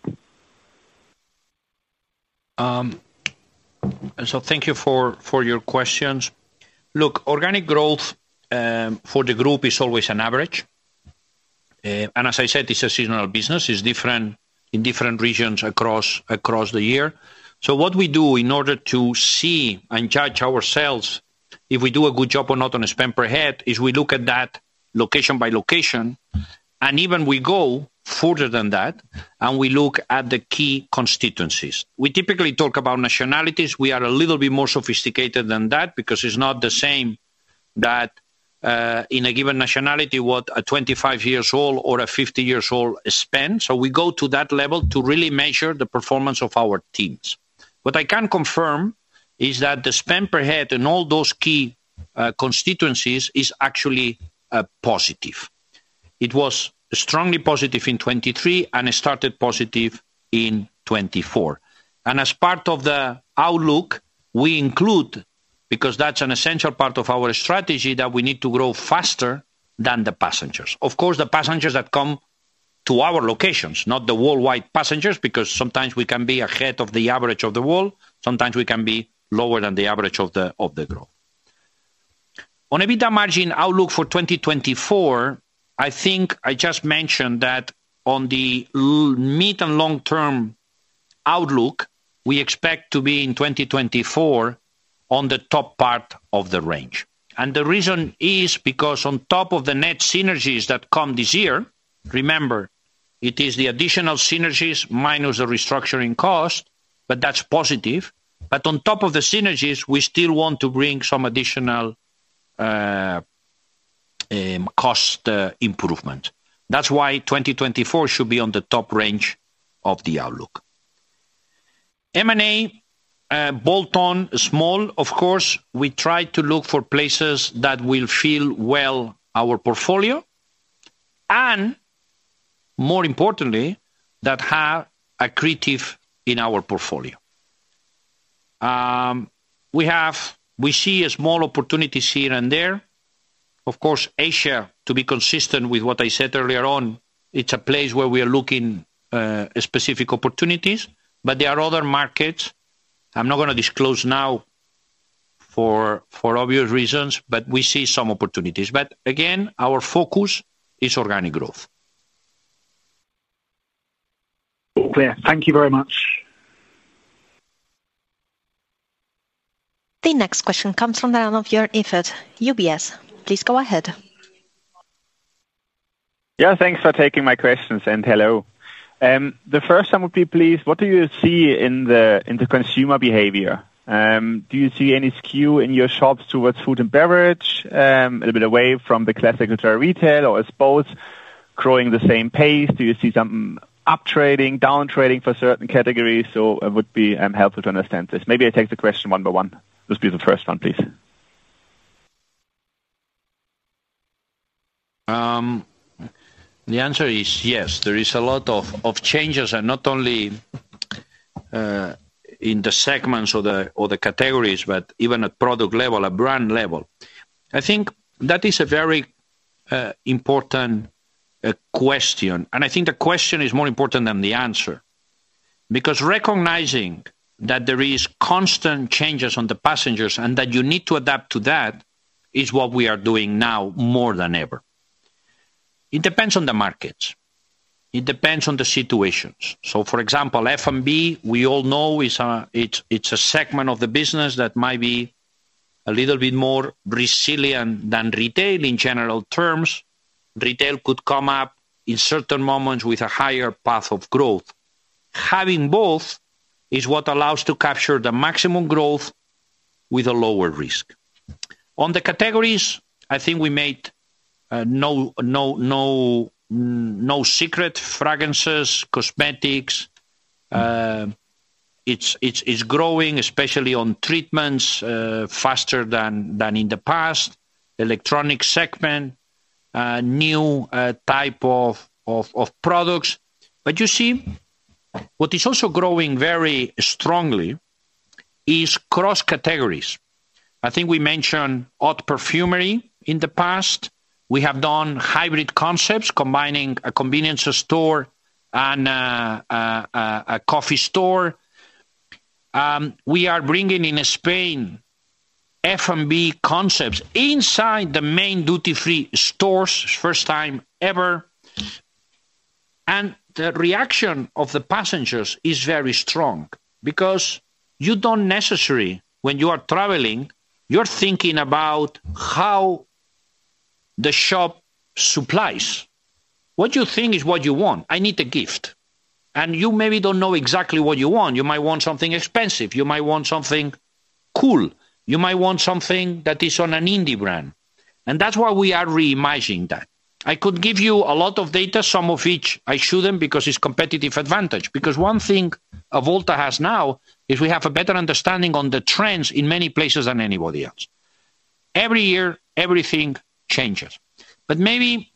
Speaker 5: So thank you for your questions. Look, organic growth for the group is always an average. And as I said, it's a seasonal business. It's different in different regions across the year. So what we do in order to see and judge ourselves if we do a good job or not on spend per head is we look at that location by location.
Speaker 2: And even we go further than that. And we look at the key constituencies. We typically talk about nationalities. We are a little bit more sophisticated than that because it's not the same that in a given nationality, what, a 25-year-old or a 50-year-old spends. So we go to that level to really measure the performance of our teams. What I can confirm is that the spend per head in all those key constituencies is actually positive. It was strongly positive in 2023 and started positive in 2024. As part of the outlook, we include because that's an essential part of our strategy that we need to grow faster than the passengers. Of course, the passengers that come to our locations, not the worldwide passengers because sometimes we can be ahead of the average of the world. Sometimes we can be lower than the average of the growth. On EBITDA margin outlook for 2024, I think I just mentioned that on the mid and long-term outlook, we expect to be in 2024 on the top part of the range. The reason is because on top of the net synergies that come this year, remember, it is the additional synergies minus the restructuring cost. That's positive. On top of the synergies, we still want to bring some additional cost improvement. That's why 2024 should be on the top range of the outlook. M&A, bolt-on, small, of course, we try to look for places that will fill well our portfolio and, more importantly, that have accretive in our portfolio. We see small opportunities here and there. Of course, Asia, to be consistent with what I said earlier on, it's a place where we are looking at specific opportunities. But there are other markets. I'm not going to disclose now for obvious reasons. But we see some opportunities. But again, our focus is organic growth.
Speaker 5: Very clear. Thank you very much.
Speaker 1: The next question comes from the line of Joern Iffert UBS. Please go ahead.
Speaker 6: Yeah. Thanks for taking my questions. And hello. The first, I would be pleased, what do you see in the consumer behavior? Do you see any skew in your shops towards food and beverage, a little bit away from the classic retail, or is both growing the same pace? Do you see something uptrading, downtrading for certain categories? So it would be helpful to understand this. Maybe I take the question one by one. This will be the first one, please.
Speaker 2: The answer is yes. There is a lot of changes, and not only in the segments or the categories, but even at product level, at brand level. I think that is a very important question. I think the question is more important than the answer because recognizing that there are constant changes on the passengers and that you need to adapt to that is what we are doing now more than ever. It depends on the markets. It depends on the situations. For example, F&B, we all know it's a segment of the business that might be a little bit more resilient than retail in general terms. Retail could come up in certain moments with a higher path of growth. Having both is what allows to capture the maximum growth with a lower risk. On the categories, I think we made no secret. Fragrances, cosmetics—it's growing, especially on treatments, faster than in the past. Electronics segment, new type of products. But you see, what is also growing very strongly is cross-categories. I think we mentioned Haute Parfumerie in the past. We have done hybrid concepts, combining a convenience store and a coffee store. We are bringing in Spain F&B concepts inside the main duty-free stores, first time ever. And the reaction of the passengers is very strong because you don't necessarily, when you are traveling, you're thinking about how the shop supplies. What you think is what you want. I need a gift. And you maybe don't know exactly what you want. You might want something expensive. You might want something cool. You might want something that is on an indie brand. And that's why we are reimagining that. I could give you a lot of data, some of which I shouldn't because it's competitive advantage. Because one thing Avolta has now is we have a better understanding on the trends in many places than anybody else. Every year, everything changes. But maybe,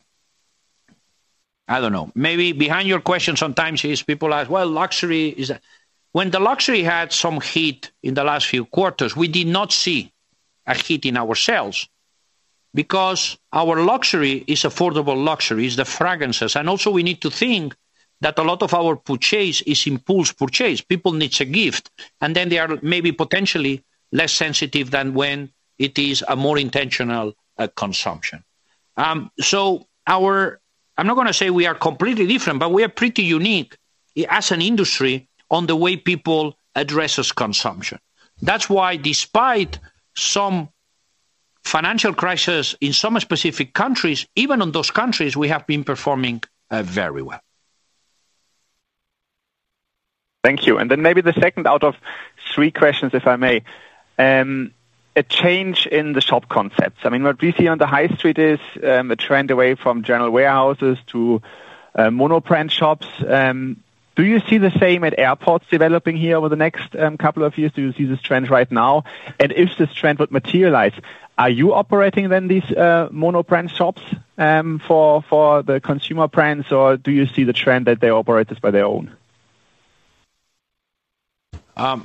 Speaker 2: I don't know, maybe behind your question sometimes people ask, "Well, luxury is " when the luxury had some heat in the last few quarters, we did not see a heat in ourselves because our luxury is affordable luxury. It's the fragrances. And also, we need to think that a lot of our purchase is impulse purchase. People need a gift. And then they are maybe potentially less sensitive than when it is a more intentional consumption. So I'm not going to say we are completely different, but we are pretty unique as an industry on the way people address consumption. That's why, despite some financial crises in some specific countries, even in those countries, we have been performing very well.
Speaker 5: Thank you. And then maybe the second out of 3 questions, if I may, a change in the shop concepts. I mean, what we see on the high street is a trend away from general warehouses to mono-brand shops. Do you see the same at airports developing here over the next couple of years? Do you see this trend right now? And if this trend would materialize, are you operating then these mono-brand shops for the consumer brands? Or do you see the trend that they operate this by their own?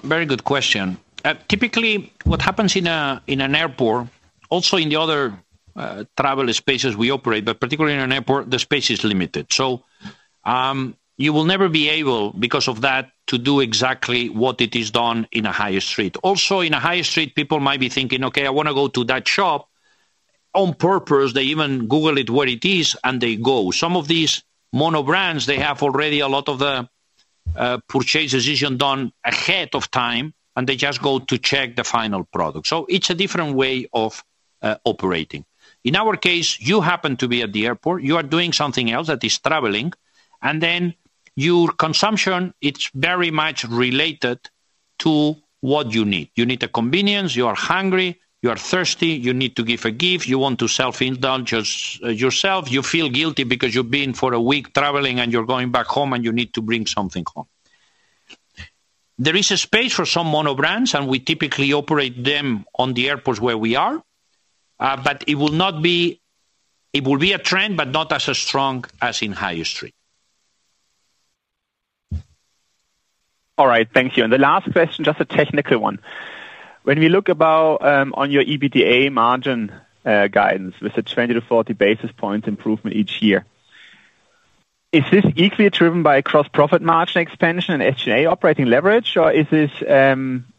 Speaker 2: Very good question. Typically, what happens in an airport, also in the other travel spaces we operate, but particularly in an airport, the space is limited. So you will never be able, because of that, to do exactly what it is done in a high street. Also, in a high street, people might be thinking, "Okay, I want to go to that shop." On purpose, they even Google it where it is. And they go. Some of these mono brands, they have already a lot of the purchase decision done ahead of time. And they just go to check the final product. So it's a different way of operating. In our case, you happen to be at the airport. You are doing something else that is traveling. And then your consumption, it's very much related to what you need. You need a convenience. You are hungry. You are thirsty. You need to give a gift. You want to self-indulge yourself. You feel guilty because you've been for a week traveling. You're going back home. You need to bring something home. There is a space for some mono brands. We typically operate them on the airports where we are. But it will be a trend, but not as strong as in high street.
Speaker 6: All right. Thank you. And the last question, just a technical one. When we look about your EBITDA margin guidance with a 20-40 basis points improvement each year, is this equally driven by gross profit margin expansion and SG&A operating leverage? Or is this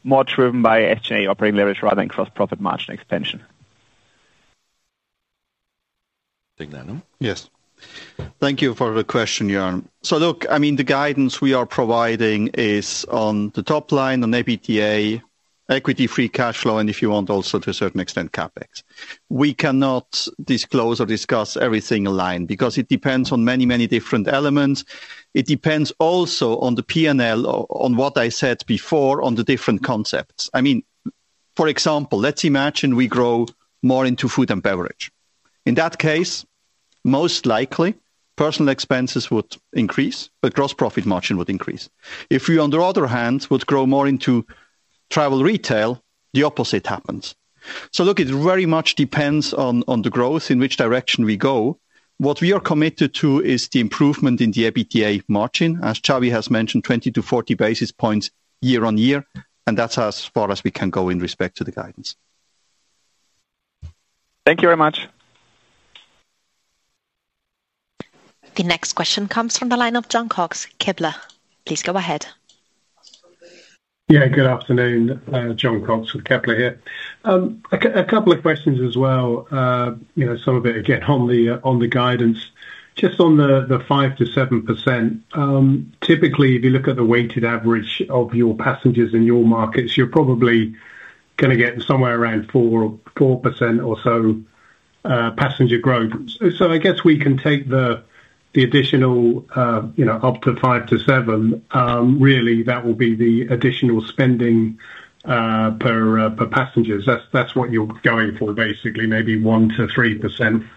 Speaker 6: more driven by SG&A operating leverage rather than gross profit margin expansion?
Speaker 2: Thank you, Jörn.
Speaker 3: Yes. Thank you for the question, Jörn. So look, I mean, the guidance we are providing is on the top line, on EBITDA, equity-free cash flow, and if you want, also to a certain extent, CapEx. We cannot disclose or discuss everything aligned because it depends on many, many different elements. It depends also on the P&L, on what I said before, on the different concepts. I mean, for example, let's imagine we grow more into food and beverage. In that case, most likely, personnel expenses would increase. But gross-profit margin would increase. If we, on the other hand, would grow more into travel retail, the opposite happens. So look, it very much depends on the growth, in which direction we go. What we are committed to is the improvement in the EBITDA margin. As Xavier has mentioned, 20-40 basis points year-on-year. That's as far as we can go in respect to the guidance.
Speaker 6: Thank you very much.
Speaker 1: The next question comes from the line of Jon Cox, Kepler. Please go ahead.
Speaker 7: Yeah. Good afternoon, John Cox with Kepler here. A couple of questions as well, some of it, again, on the guidance. Just on the 5%-7%, typically, if you look at the weighted average of your passengers in your markets, you're probably going to get somewhere around 4% or so passenger growth. So I guess we can take the additional up to 5%-7%. Really, that will be the additional spending per passengers. That's what you're going for, basically, maybe 1%-3%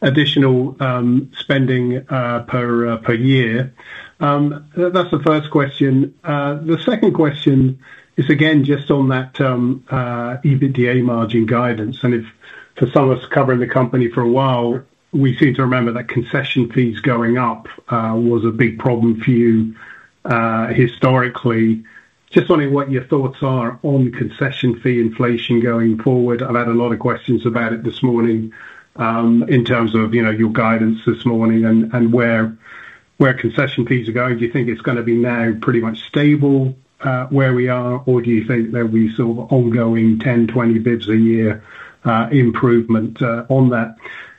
Speaker 7: additional spending per year. That's the first question. The second question is, again, just on that EBITDA margin guidance. And for some of us covering the company for a while, we seem to remember that concession fees going up was a big problem for you historically. Just wondering what your thoughts are on concession fee inflation going forward. I've had a lot of questions about it this morning in terms of your guidance this morning and where concession fees are going. Do you think it's going to be now pretty much stable where we are? Or do you think there'll be sort of ongoing 10, 20 basis points a year improvement on that?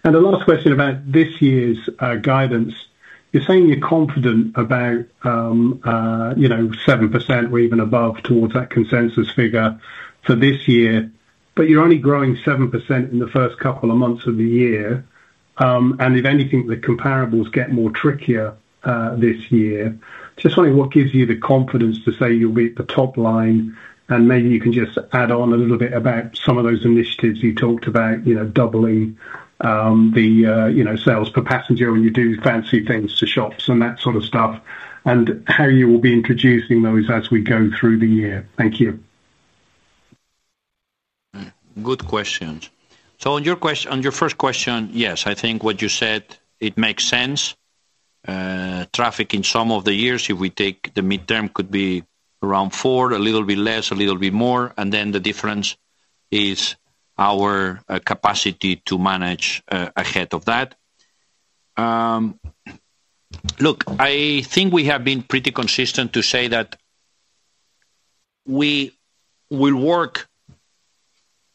Speaker 7: And the last question about this year's guidance, you're saying you're confident about 7% or even above towards that consensus figure for this year. But you're only growing 7% in the first couple of months of the year. And if anything, the comparables get more trickier this year. Just wondering what gives you the confidence to say you'll be at the top line. Maybe you can just add on a little bit about some of those initiatives you talked about, doubling the sales per passenger when you do fancy things to shops and that sort of stuff, and how you will be introducing those as we go through the year. Thank you.
Speaker 2: Good question. So on your first question, yes, I think what you said, it makes sense. Traffic in some of the years, if we take the midterm, could be around 4, a little bit less, a little bit more. And then the difference is our capacity to manage ahead of that. Look, I think we have been pretty consistent to say that we will work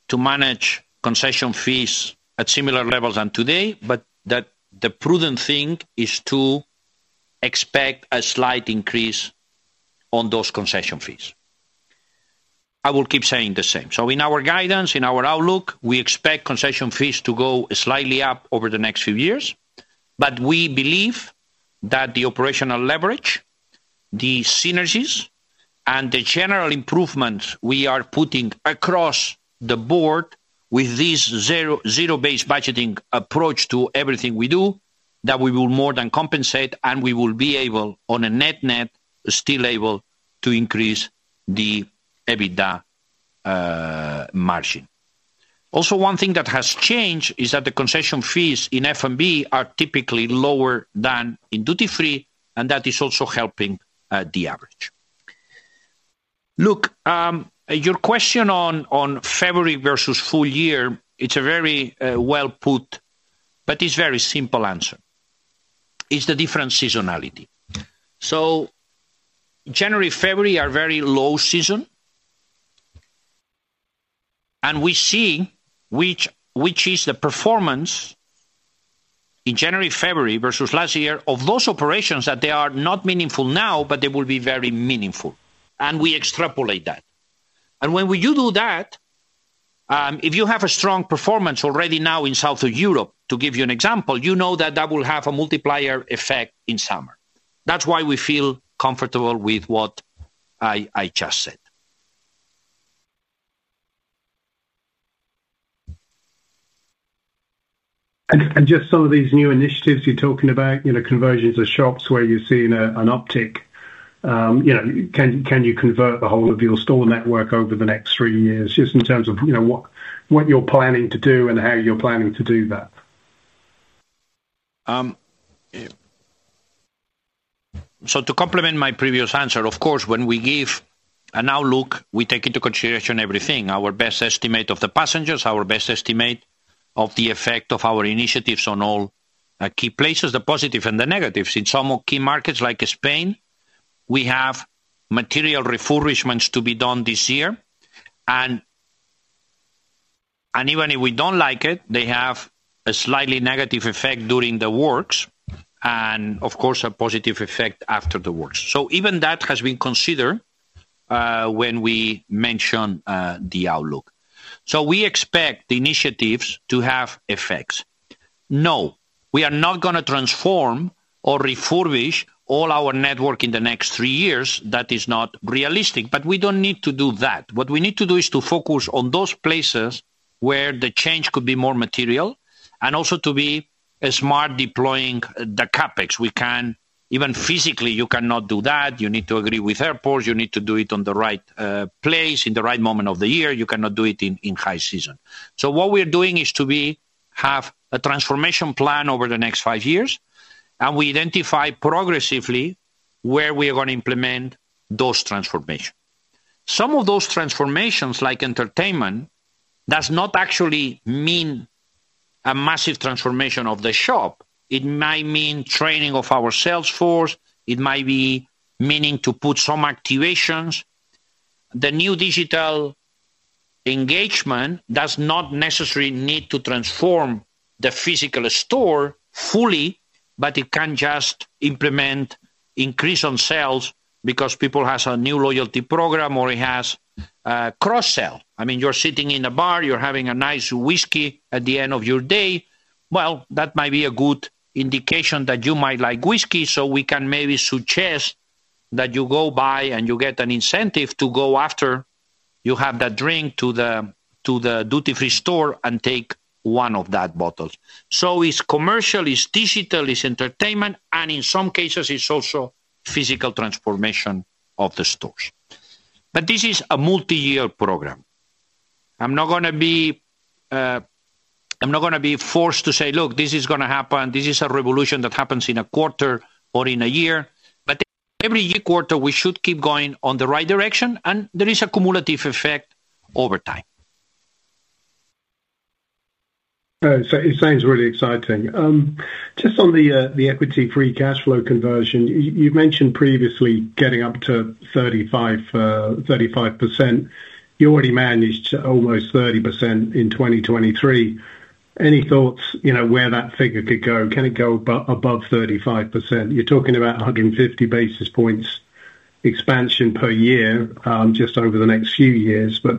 Speaker 2: to manage concession fees at similar levels than today. But the prudent thing is to expect a slight increase on those concession fees. I will keep saying the same. So in our guidance, in our outlook, we expect concession fees to go slightly up over the next few years. But we believe that the operational leverage, the synergies, and the general improvements we are putting across the board with this zero-based budgeting approach to everything we do, that we will more than compensate. We will be able, on a net net, still able to increase the EBITDA margin. Also, one thing that has changed is that the concession fees in F&B are typically lower than in duty-free. And that is also helping the average. Look, your question on February versus full year, it's a very well-put, but it's a very simple answer, is the different seasonality. So January, February are very low season. And we see which is the performance in January, February versus last year of those operations that they are not meaningful now, but they will be very meaningful. And we extrapolate that. And when you do that, if you have a strong performance already now in South of Europe, to give you an example, you know that that will have a multiplier effect in summer. That's why we feel comfortable with what I just said.
Speaker 7: Just some of these new initiatives you're talking about, conversions of shops where you're seeing an uptick, can you convert the whole of your store network over the next three years just in terms of what you're planning to do and how you're planning to do that?
Speaker 2: So to complement my previous answer, of course, when we give an outlook, we take into consideration everything, our best estimate of the passengers, our best estimate of the effect of our initiatives on all key places, the positives and the negatives. In some key markets like Spain, we have material refurbishments to be done this year. And even if we don't like it, they have a slightly negative effect during the works and, of course, a positive effect after the works. So even that has been considered when we mentioned the outlook. So we expect the initiatives to have effects. No, we are not going to transform or refurbish all our network in the next three years. That is not realistic. But we don't need to do that. What we need to do is to focus on those places where the change could be more material and also to be smart deploying the CapEx. Even physically, you cannot do that. You need to agree with airports. You need to do it on the right place in the right moment of the year. You cannot do it in high season. So what we're doing is to have a transformation plan over the next five years. And we identify progressively where we are going to implement those transformations. Some of those transformations, like entertainment, does not actually mean a massive transformation of the shop. It might mean training of our sales force. It might be meaning to put some activations. The new digital engagement does not necessarily need to transform the physical store fully. But it can just implement increase on sales because people have a new loyalty program or it has cross-sell. I mean, you're sitting in a bar. You're having a nice whiskey at the end of your day. Well, that might be a good indication that you might like whiskey. So we can maybe suggest that you go by and you get an incentive to go after you have that drink to the duty-free store and take one of that bottles. So it's commercial. It's digital. It's entertainment. And in some cases, it's also physical transformation of the stores. But this is a multi-year program. I'm not going to be forced to say, "Look, this is going to happen. This is a revolution that happens in a quarter or in a year." But every quarter, we should keep going on the right direction. There is a cumulative effect over time.
Speaker 7: It sounds really exciting. Just on the Equity Free Cash Flow conversion, you've mentioned previously getting up to 35%. You already managed almost 30% in 2023. Any thoughts where that figure could go? Can it go above 35%? You're talking about 150 basis points expansion per year just over the next few years. But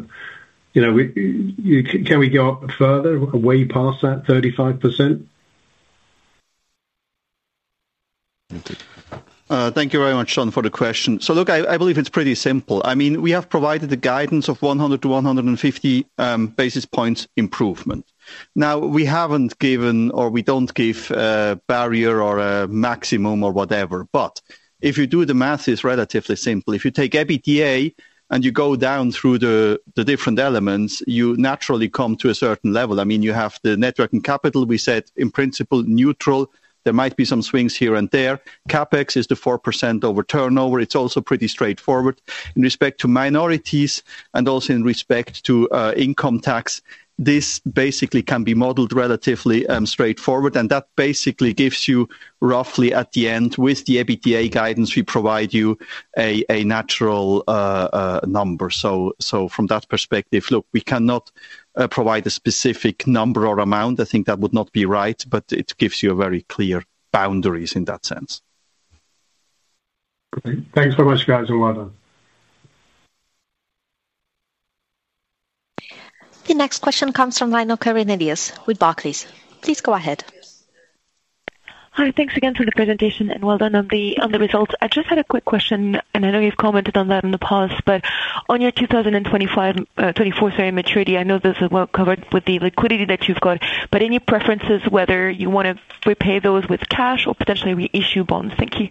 Speaker 7: can we go further, way past that 35%?
Speaker 3: Thank you very much, John, for the question. So look, I believe it's pretty simple. I mean, we have provided the guidance of 100-150 basis points improvement. Now, we haven't given or we don't give a barrier or a maximum or whatever. But if you do the math, it's relatively simple. If you take EBITDA and you go down through the different elements, you naturally come to a certain level. I mean, you have the working capital. We said, in principle, neutral. There might be some swings here and there. CapEx is the 4% over turnover. It's also pretty straightforward in respect to minorities and also in respect to income tax. This basically can be modeled relatively straightforward. And that basically gives you, roughly, at the end, with the EBITDA guidance we provide you, a natural number. From that perspective, look, we cannot provide a specific number or amount. I think that would not be right. It gives you very clear boundaries in that sense.
Speaker 7: Great. Thanks very much, guys. Well done.
Speaker 1: The next question comes from Karine Elias with Barclays. Please go ahead.
Speaker 8: Hi. Thanks again for the presentation. Well done on the results. I just had a quick question. I know you've commented on that in the past. On your 2024-26 bond maturity, I know this is well covered with the liquidity that you've got. Any preferences, whether you want to repay those with cash or potentially reissue bonds? Thank you.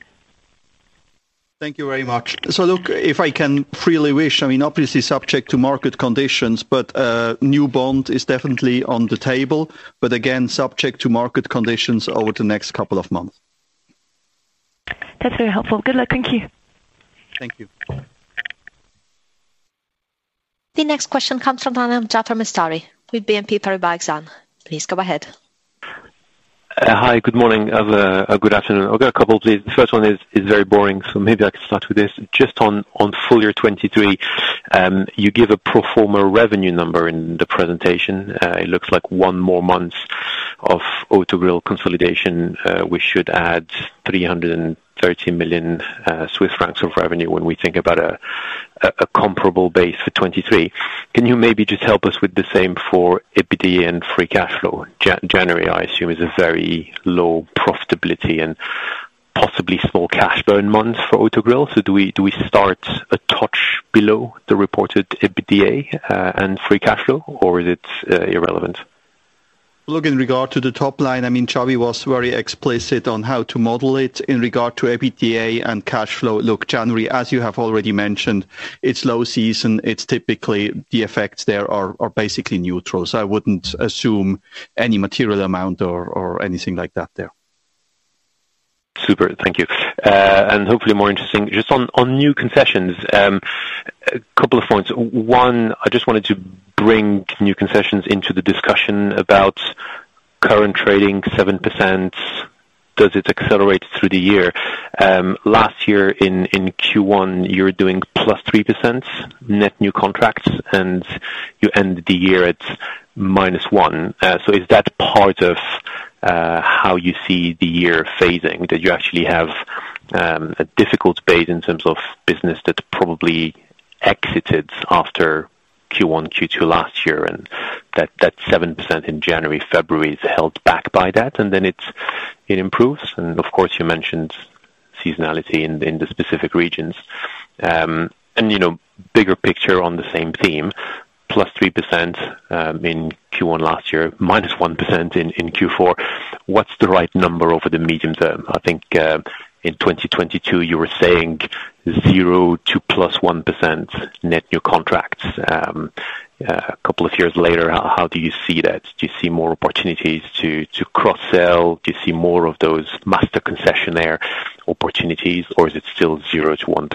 Speaker 2: Thank you very much. So look, if I can freely wish, I mean, obviously, subject to market conditions. But new bond is definitely on the table. But again, subject to market conditions over the next couple of months.
Speaker 8: That's very helpful. Good luck. Thank you.
Speaker 2: Thank you.
Speaker 1: The next question comes from Jaafar Mestari with BNP Paribas, John. Please go ahead.
Speaker 9: Hi. Good morning or good afternoon. I've got a couple, please. The first one is very boring. So maybe I can start with this. Just on full year 2023, you give a pro forma revenue number in the presentation. It looks like one more month of Autogrill consolidation. We should add 330 million Swiss francs of revenue when we think about a comparable base for 2023. Can you maybe just help us with the same for EBITDA and free cash flow? January, I assume, is a very low profitability and possibly small cash burn months for Autogrill. So do we start a touch below the reported EBITDA and free cash flow? Or is it irrelevant?
Speaker 3: Look, in regard to the top line, I mean, Xavi was very explicit on how to model it in regard to EBITDA and cash flow. Look, January, as you have already mentioned, it's low season. Typically, the effects there are basically neutral. So I wouldn't assume any material amount or anything like that there.
Speaker 9: Super. Thank you. And hopefully, more interesting. Just on new concessions, a couple of points. One, I just wanted to bring new concessions into the discussion about current trading, 7%. Does it accelerate through the year? Last year, in Q1, you were doing +3% net new contracts. And you ended the year at -1%. So is that part of how you see the year phasing, that you actually have a difficult phase in terms of business that probably exited after Q1, Q2 last year? And that 7% in January, February, is held back by that. And then it improves. And of course, you mentioned seasonality in the specific regions. And bigger picture on the same theme, +3% in Q1 last year, -1% in Q4, what's the right number over the medium term? I think in 2022, you were saying 0% to +1% net new contracts. A couple of years later, how do you see that? Do you see more opportunities to cross-sell? Do you see more of those master concessionaire opportunities? Or is it still 0%-1%?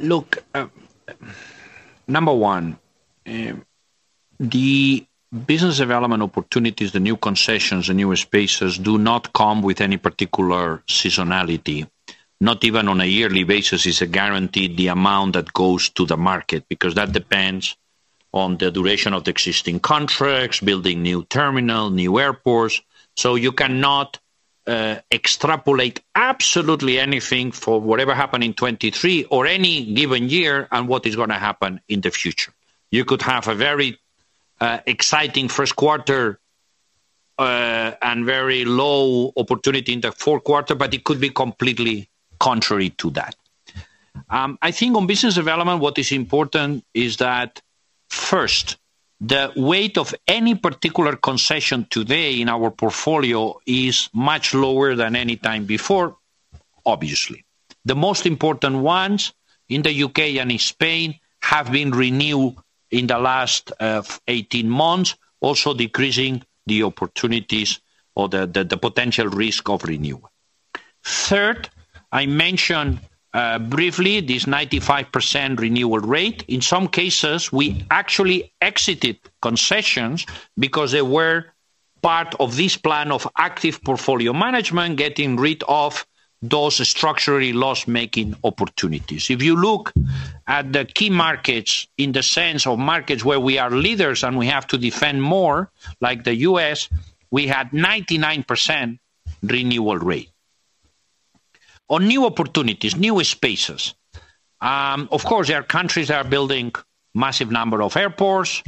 Speaker 2: Look, number one, the business development opportunities, the new concessions, the new spaces do not come with any particular seasonality. Not even on a yearly basis is a guarantee the amount that goes to the market because that depends on the duration of the existing contracts, building new terminal, new airports. So you cannot extrapolate absolutely anything for whatever happened in 2023 or any given year and what is going to happen in the future. You could have a very exciting first quarter and very low opportunity in the fourth quarter. But it could be completely contrary to that. I think on business development, what is important is that, first, the weight of any particular concession today in our portfolio is much lower than any time before, obviously. The most important ones in the UK and in Spain have been renewed in the last 18 months, also decreasing the opportunities or the potential risk of renewal. Third, I mentioned briefly this 95% renewal rate. In some cases, we actually exited concessions because they were part of this plan of active portfolio management, getting rid of those structurally loss-making opportunities. If you look at the key markets in the sense of markets where we are leaders and we have to defend more like the US, we had 99% renewal rate on new opportunities, new spaces. Of course, there are countries that are building a massive number of airports.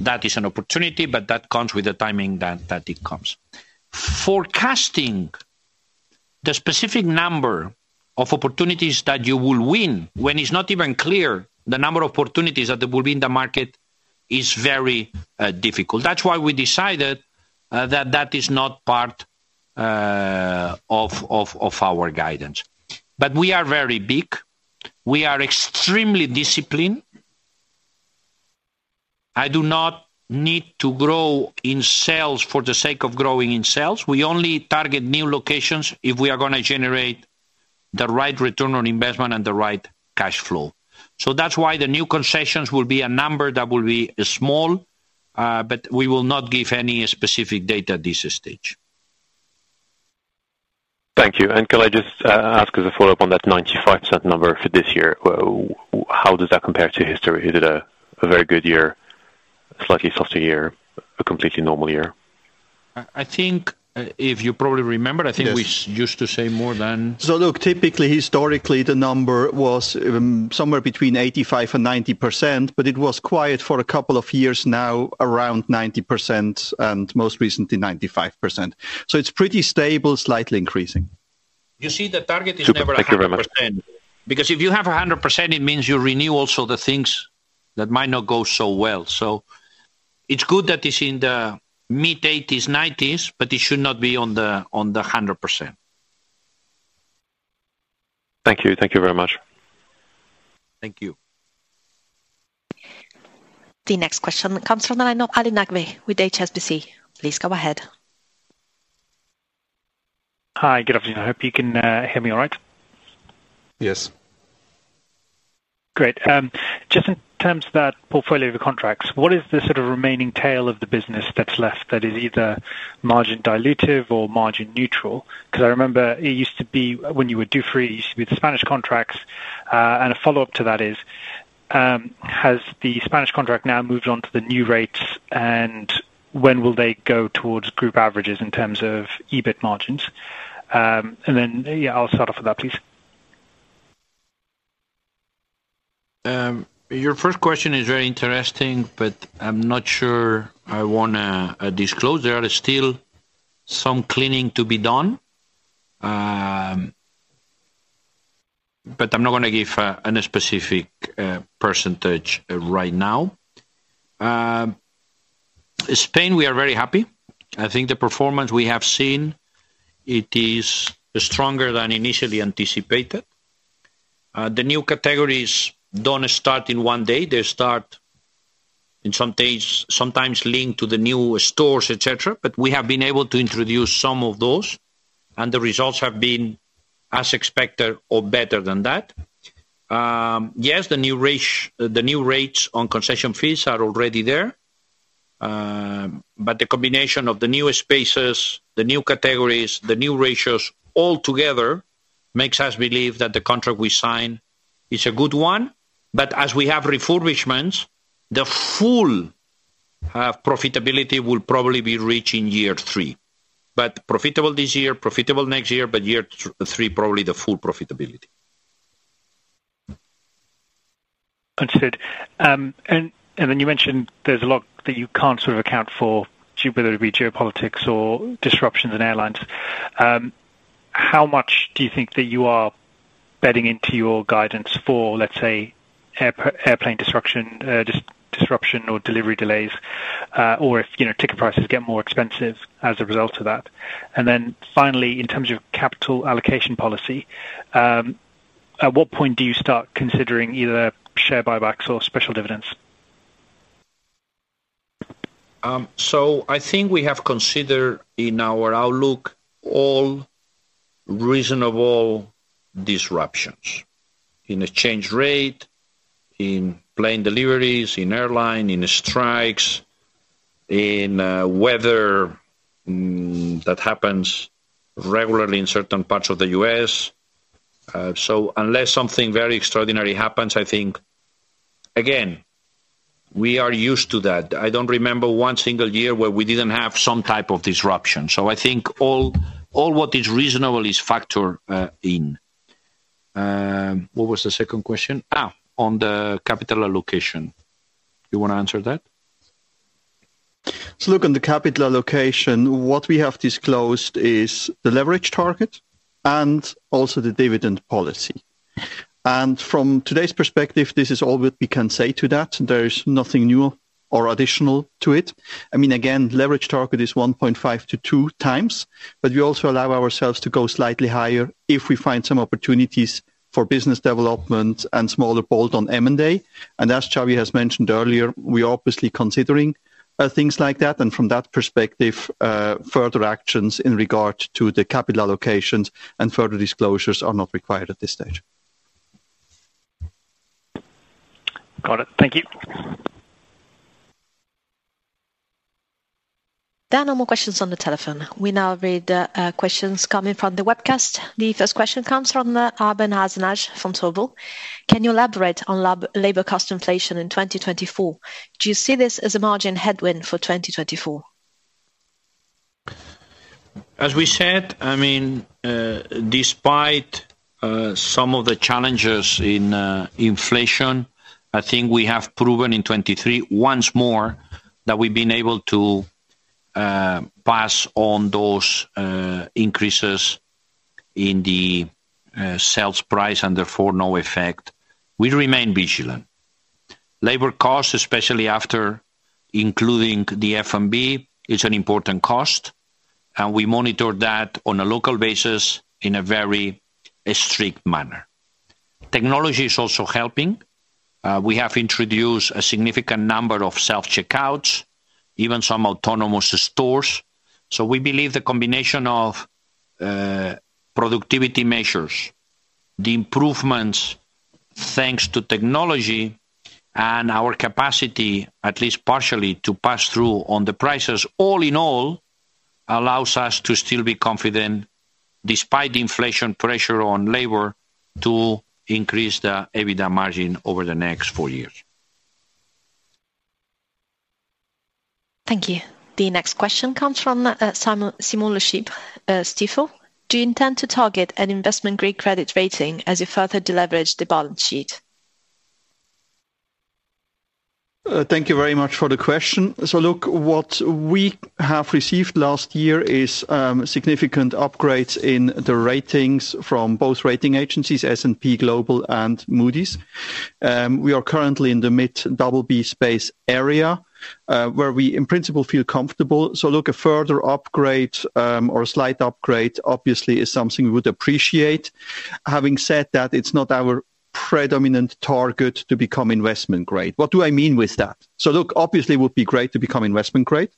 Speaker 2: That is an opportunity. But that comes with the timing that it comes. Forecasting the specific number of opportunities that you will win when it's not even clear the number of opportunities that there will be in the market is very difficult. That's why we decided that that is not part of our guidance. But we are very big. We are extremely disciplined. I do not need to grow in sales for the sake of growing in sales. We only target new locations if we are going to generate the right return on investment and the right cash flow. So that's why the new concessions will be a number that will be small. But we will not give any specific data at this stage.
Speaker 9: Thank you. Can I just ask as a follow-up on that 95% number for this year, how does that compare to history? Is it a very good year, slightly softer year, a completely normal year?
Speaker 3: I think, if you probably remember, I think we used to say more than. So look, typically, historically, the number was somewhere between 85%-90%. But it was quite for a couple of years now, around 90% and most recently, 95%. So it's pretty stable, slightly increasing.
Speaker 2: You see, the target is never 100% because if you have 100%, it means you renew also the things that might not go so well. So it's good that it's in the mid-80s, 90s. But it should not be on the 100%.
Speaker 9: Thank you. Thank you very much.
Speaker 2: Thank you.
Speaker 1: The next question comes from Ali Naqvi with HSBC. Please go ahead.
Speaker 10: Hi. Good afternoon. I hope you can hear me all right.
Speaker 2: Yes.
Speaker 10: Great. Just in terms of that portfolio of contracts, what is the sort of remaining tail of the business that's left that is either margin dilutive or margin neutral? Because I remember it used to be when you were duty-free, it used to be the Spanish contracts. And a follow-up to that is, has the Spanish contract now moved on to the new rates? And when will they go towards group averages in terms of EBIT margins? And then I'll start off with that, please.
Speaker 2: Your first question is very interesting. But I'm not sure I want to disclose. There are still some cleaning to be done. But I'm not going to give a specific percentage right now. Spain, we are very happy. I think the performance we have seen, it is stronger than initially anticipated. The new categories don't start in one day. They start, sometimes linked to the new stores, etc. But we have been able to introduce some of those. And the results have been as expected or better than that. Yes, the new rates on concession fees are already there. But the combination of the new spaces, the new categories, the new ratios altogether makes us believe that the contract we sign is a good one. But as we have refurbishments, the full profitability will probably be reached in year three. But profitable this year, profitable next year. Year three, probably the full profitability.
Speaker 10: Understood. And then you mentioned there's a lot that you can't sort of account for, whether it be geopolitics or disruptions in airlines. How much do you think that you are betting into your guidance for, let's say, airplane disruption or delivery delays or if ticket prices get more expensive as a result of that? And then finally, in terms of capital allocation policy, at what point do you start considering either share buybacks or special dividends?
Speaker 3: So I think we have considered in our outlook all reasonable disruptions in exchange rate, in plane deliveries, in airline, in strikes, in weather that happens regularly in certain parts of the U.S. So unless something very extraordinary happens, I think, again, we are used to that. I don't remember one single year where we didn't have some type of disruption. So I think all what is reasonable is factored in. What was the second question? on the capital allocation. You want to answer that? So look, on the capital allocation, what we have disclosed is the leverage target and also the dividend policy. And from today's perspective, this is all that we can say to that. There's nothing new or additional to it. I mean, again, leverage target is 1.5-2 times. But we also allow ourselves to go slightly higher if we find some opportunities for business development and smaller bolt-on M&A. And as Xavi has mentioned earlier, we are obviously considering things like that. And from that perspective, further actions in regard to the capital allocations and further disclosures are not required at this stage.
Speaker 10: Got it. Thank you.
Speaker 1: There are no more questions on the telephone. We now read questions coming from the webcast. The first question comes from Arben Hasanaj from Vontobel. Can you elaborate on labor cost inflation in 2024? Do you see this as a margin headwind for 2024?
Speaker 2: As we said, I mean, despite some of the challenges in inflation, I think we have proven in 2023 once more that we've been able to pass on those increases in the sales price. Therefore, no effect. We remain vigilant. Labor costs, especially after including the F&B, is an important cost. We monitor that on a local basis in a very strict manner. Technology is also helping. We have introduced a significant number of self-checkouts, even some autonomous stores. So we believe the combination of productivity measures, the improvements thanks to technology, and our capacity, at least partially, to pass through on the prices, all in all, allows us to still be confident, despite the inflation pressure on labor, to increase the EBITDA margin over the next four years.
Speaker 1: Thank you. The next question comes from SimulaShip. Stephen, do you intend to target an investment-grade credit rating as you further deleverage the balance sheet?
Speaker 3: Thank you very much for the question. So look, what we have received last year is significant upgrades in the ratings from both rating agencies, S&P Global and Moody's. We are currently in the mid-BB space area where we, in principle, feel comfortable. So look, a further upgrade or a slight upgrade, obviously, is something we would appreciate. Having said that, it's not our predominant target to become investment-grade. What do I mean with that? So look, obviously, it would be great to become investment-grade.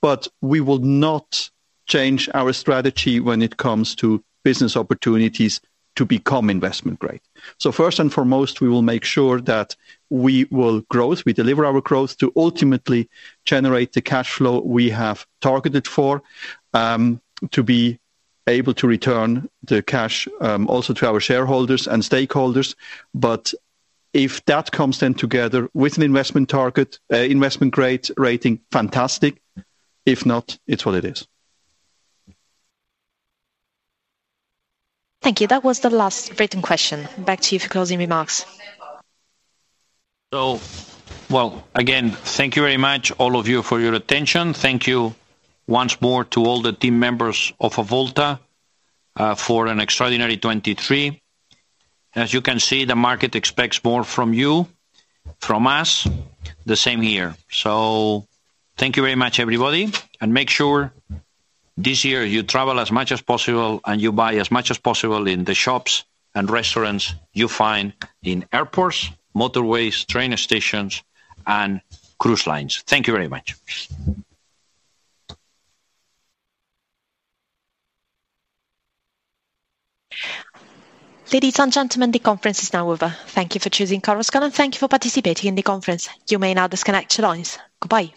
Speaker 3: But we will not change our strategy when it comes to business opportunities to become investment-grade. So first and foremost, we will make sure that we will grow. We deliver our growth to ultimately generate the cash flow we have targeted for, to be able to return the cash also to our shareholders and stakeholders. If that comes then together with an investment-grade rating, fantastic. If not, it's what it is.
Speaker 1: Thank you. That was the last written question. Back to you for closing remarks.
Speaker 2: Well, again, thank you very much, all of you, for your attention. Thank you once more to all the team members of Avolta for an extraordinary 2023. As you can see, the market expects more from you, from us. The same here. Thank you very much, everybody. Make sure this year, you travel as much as possible. And you buy as much as possible in the shops and restaurants you find in airports, motorways, train stations, and cruise lines. Thank you very much.
Speaker 1: Ladies and gentlemen, the conference is now over. Thank you for choosing Chorus Call. Thank you for participating in the conference. You may now disconnect your lines. Goodbye.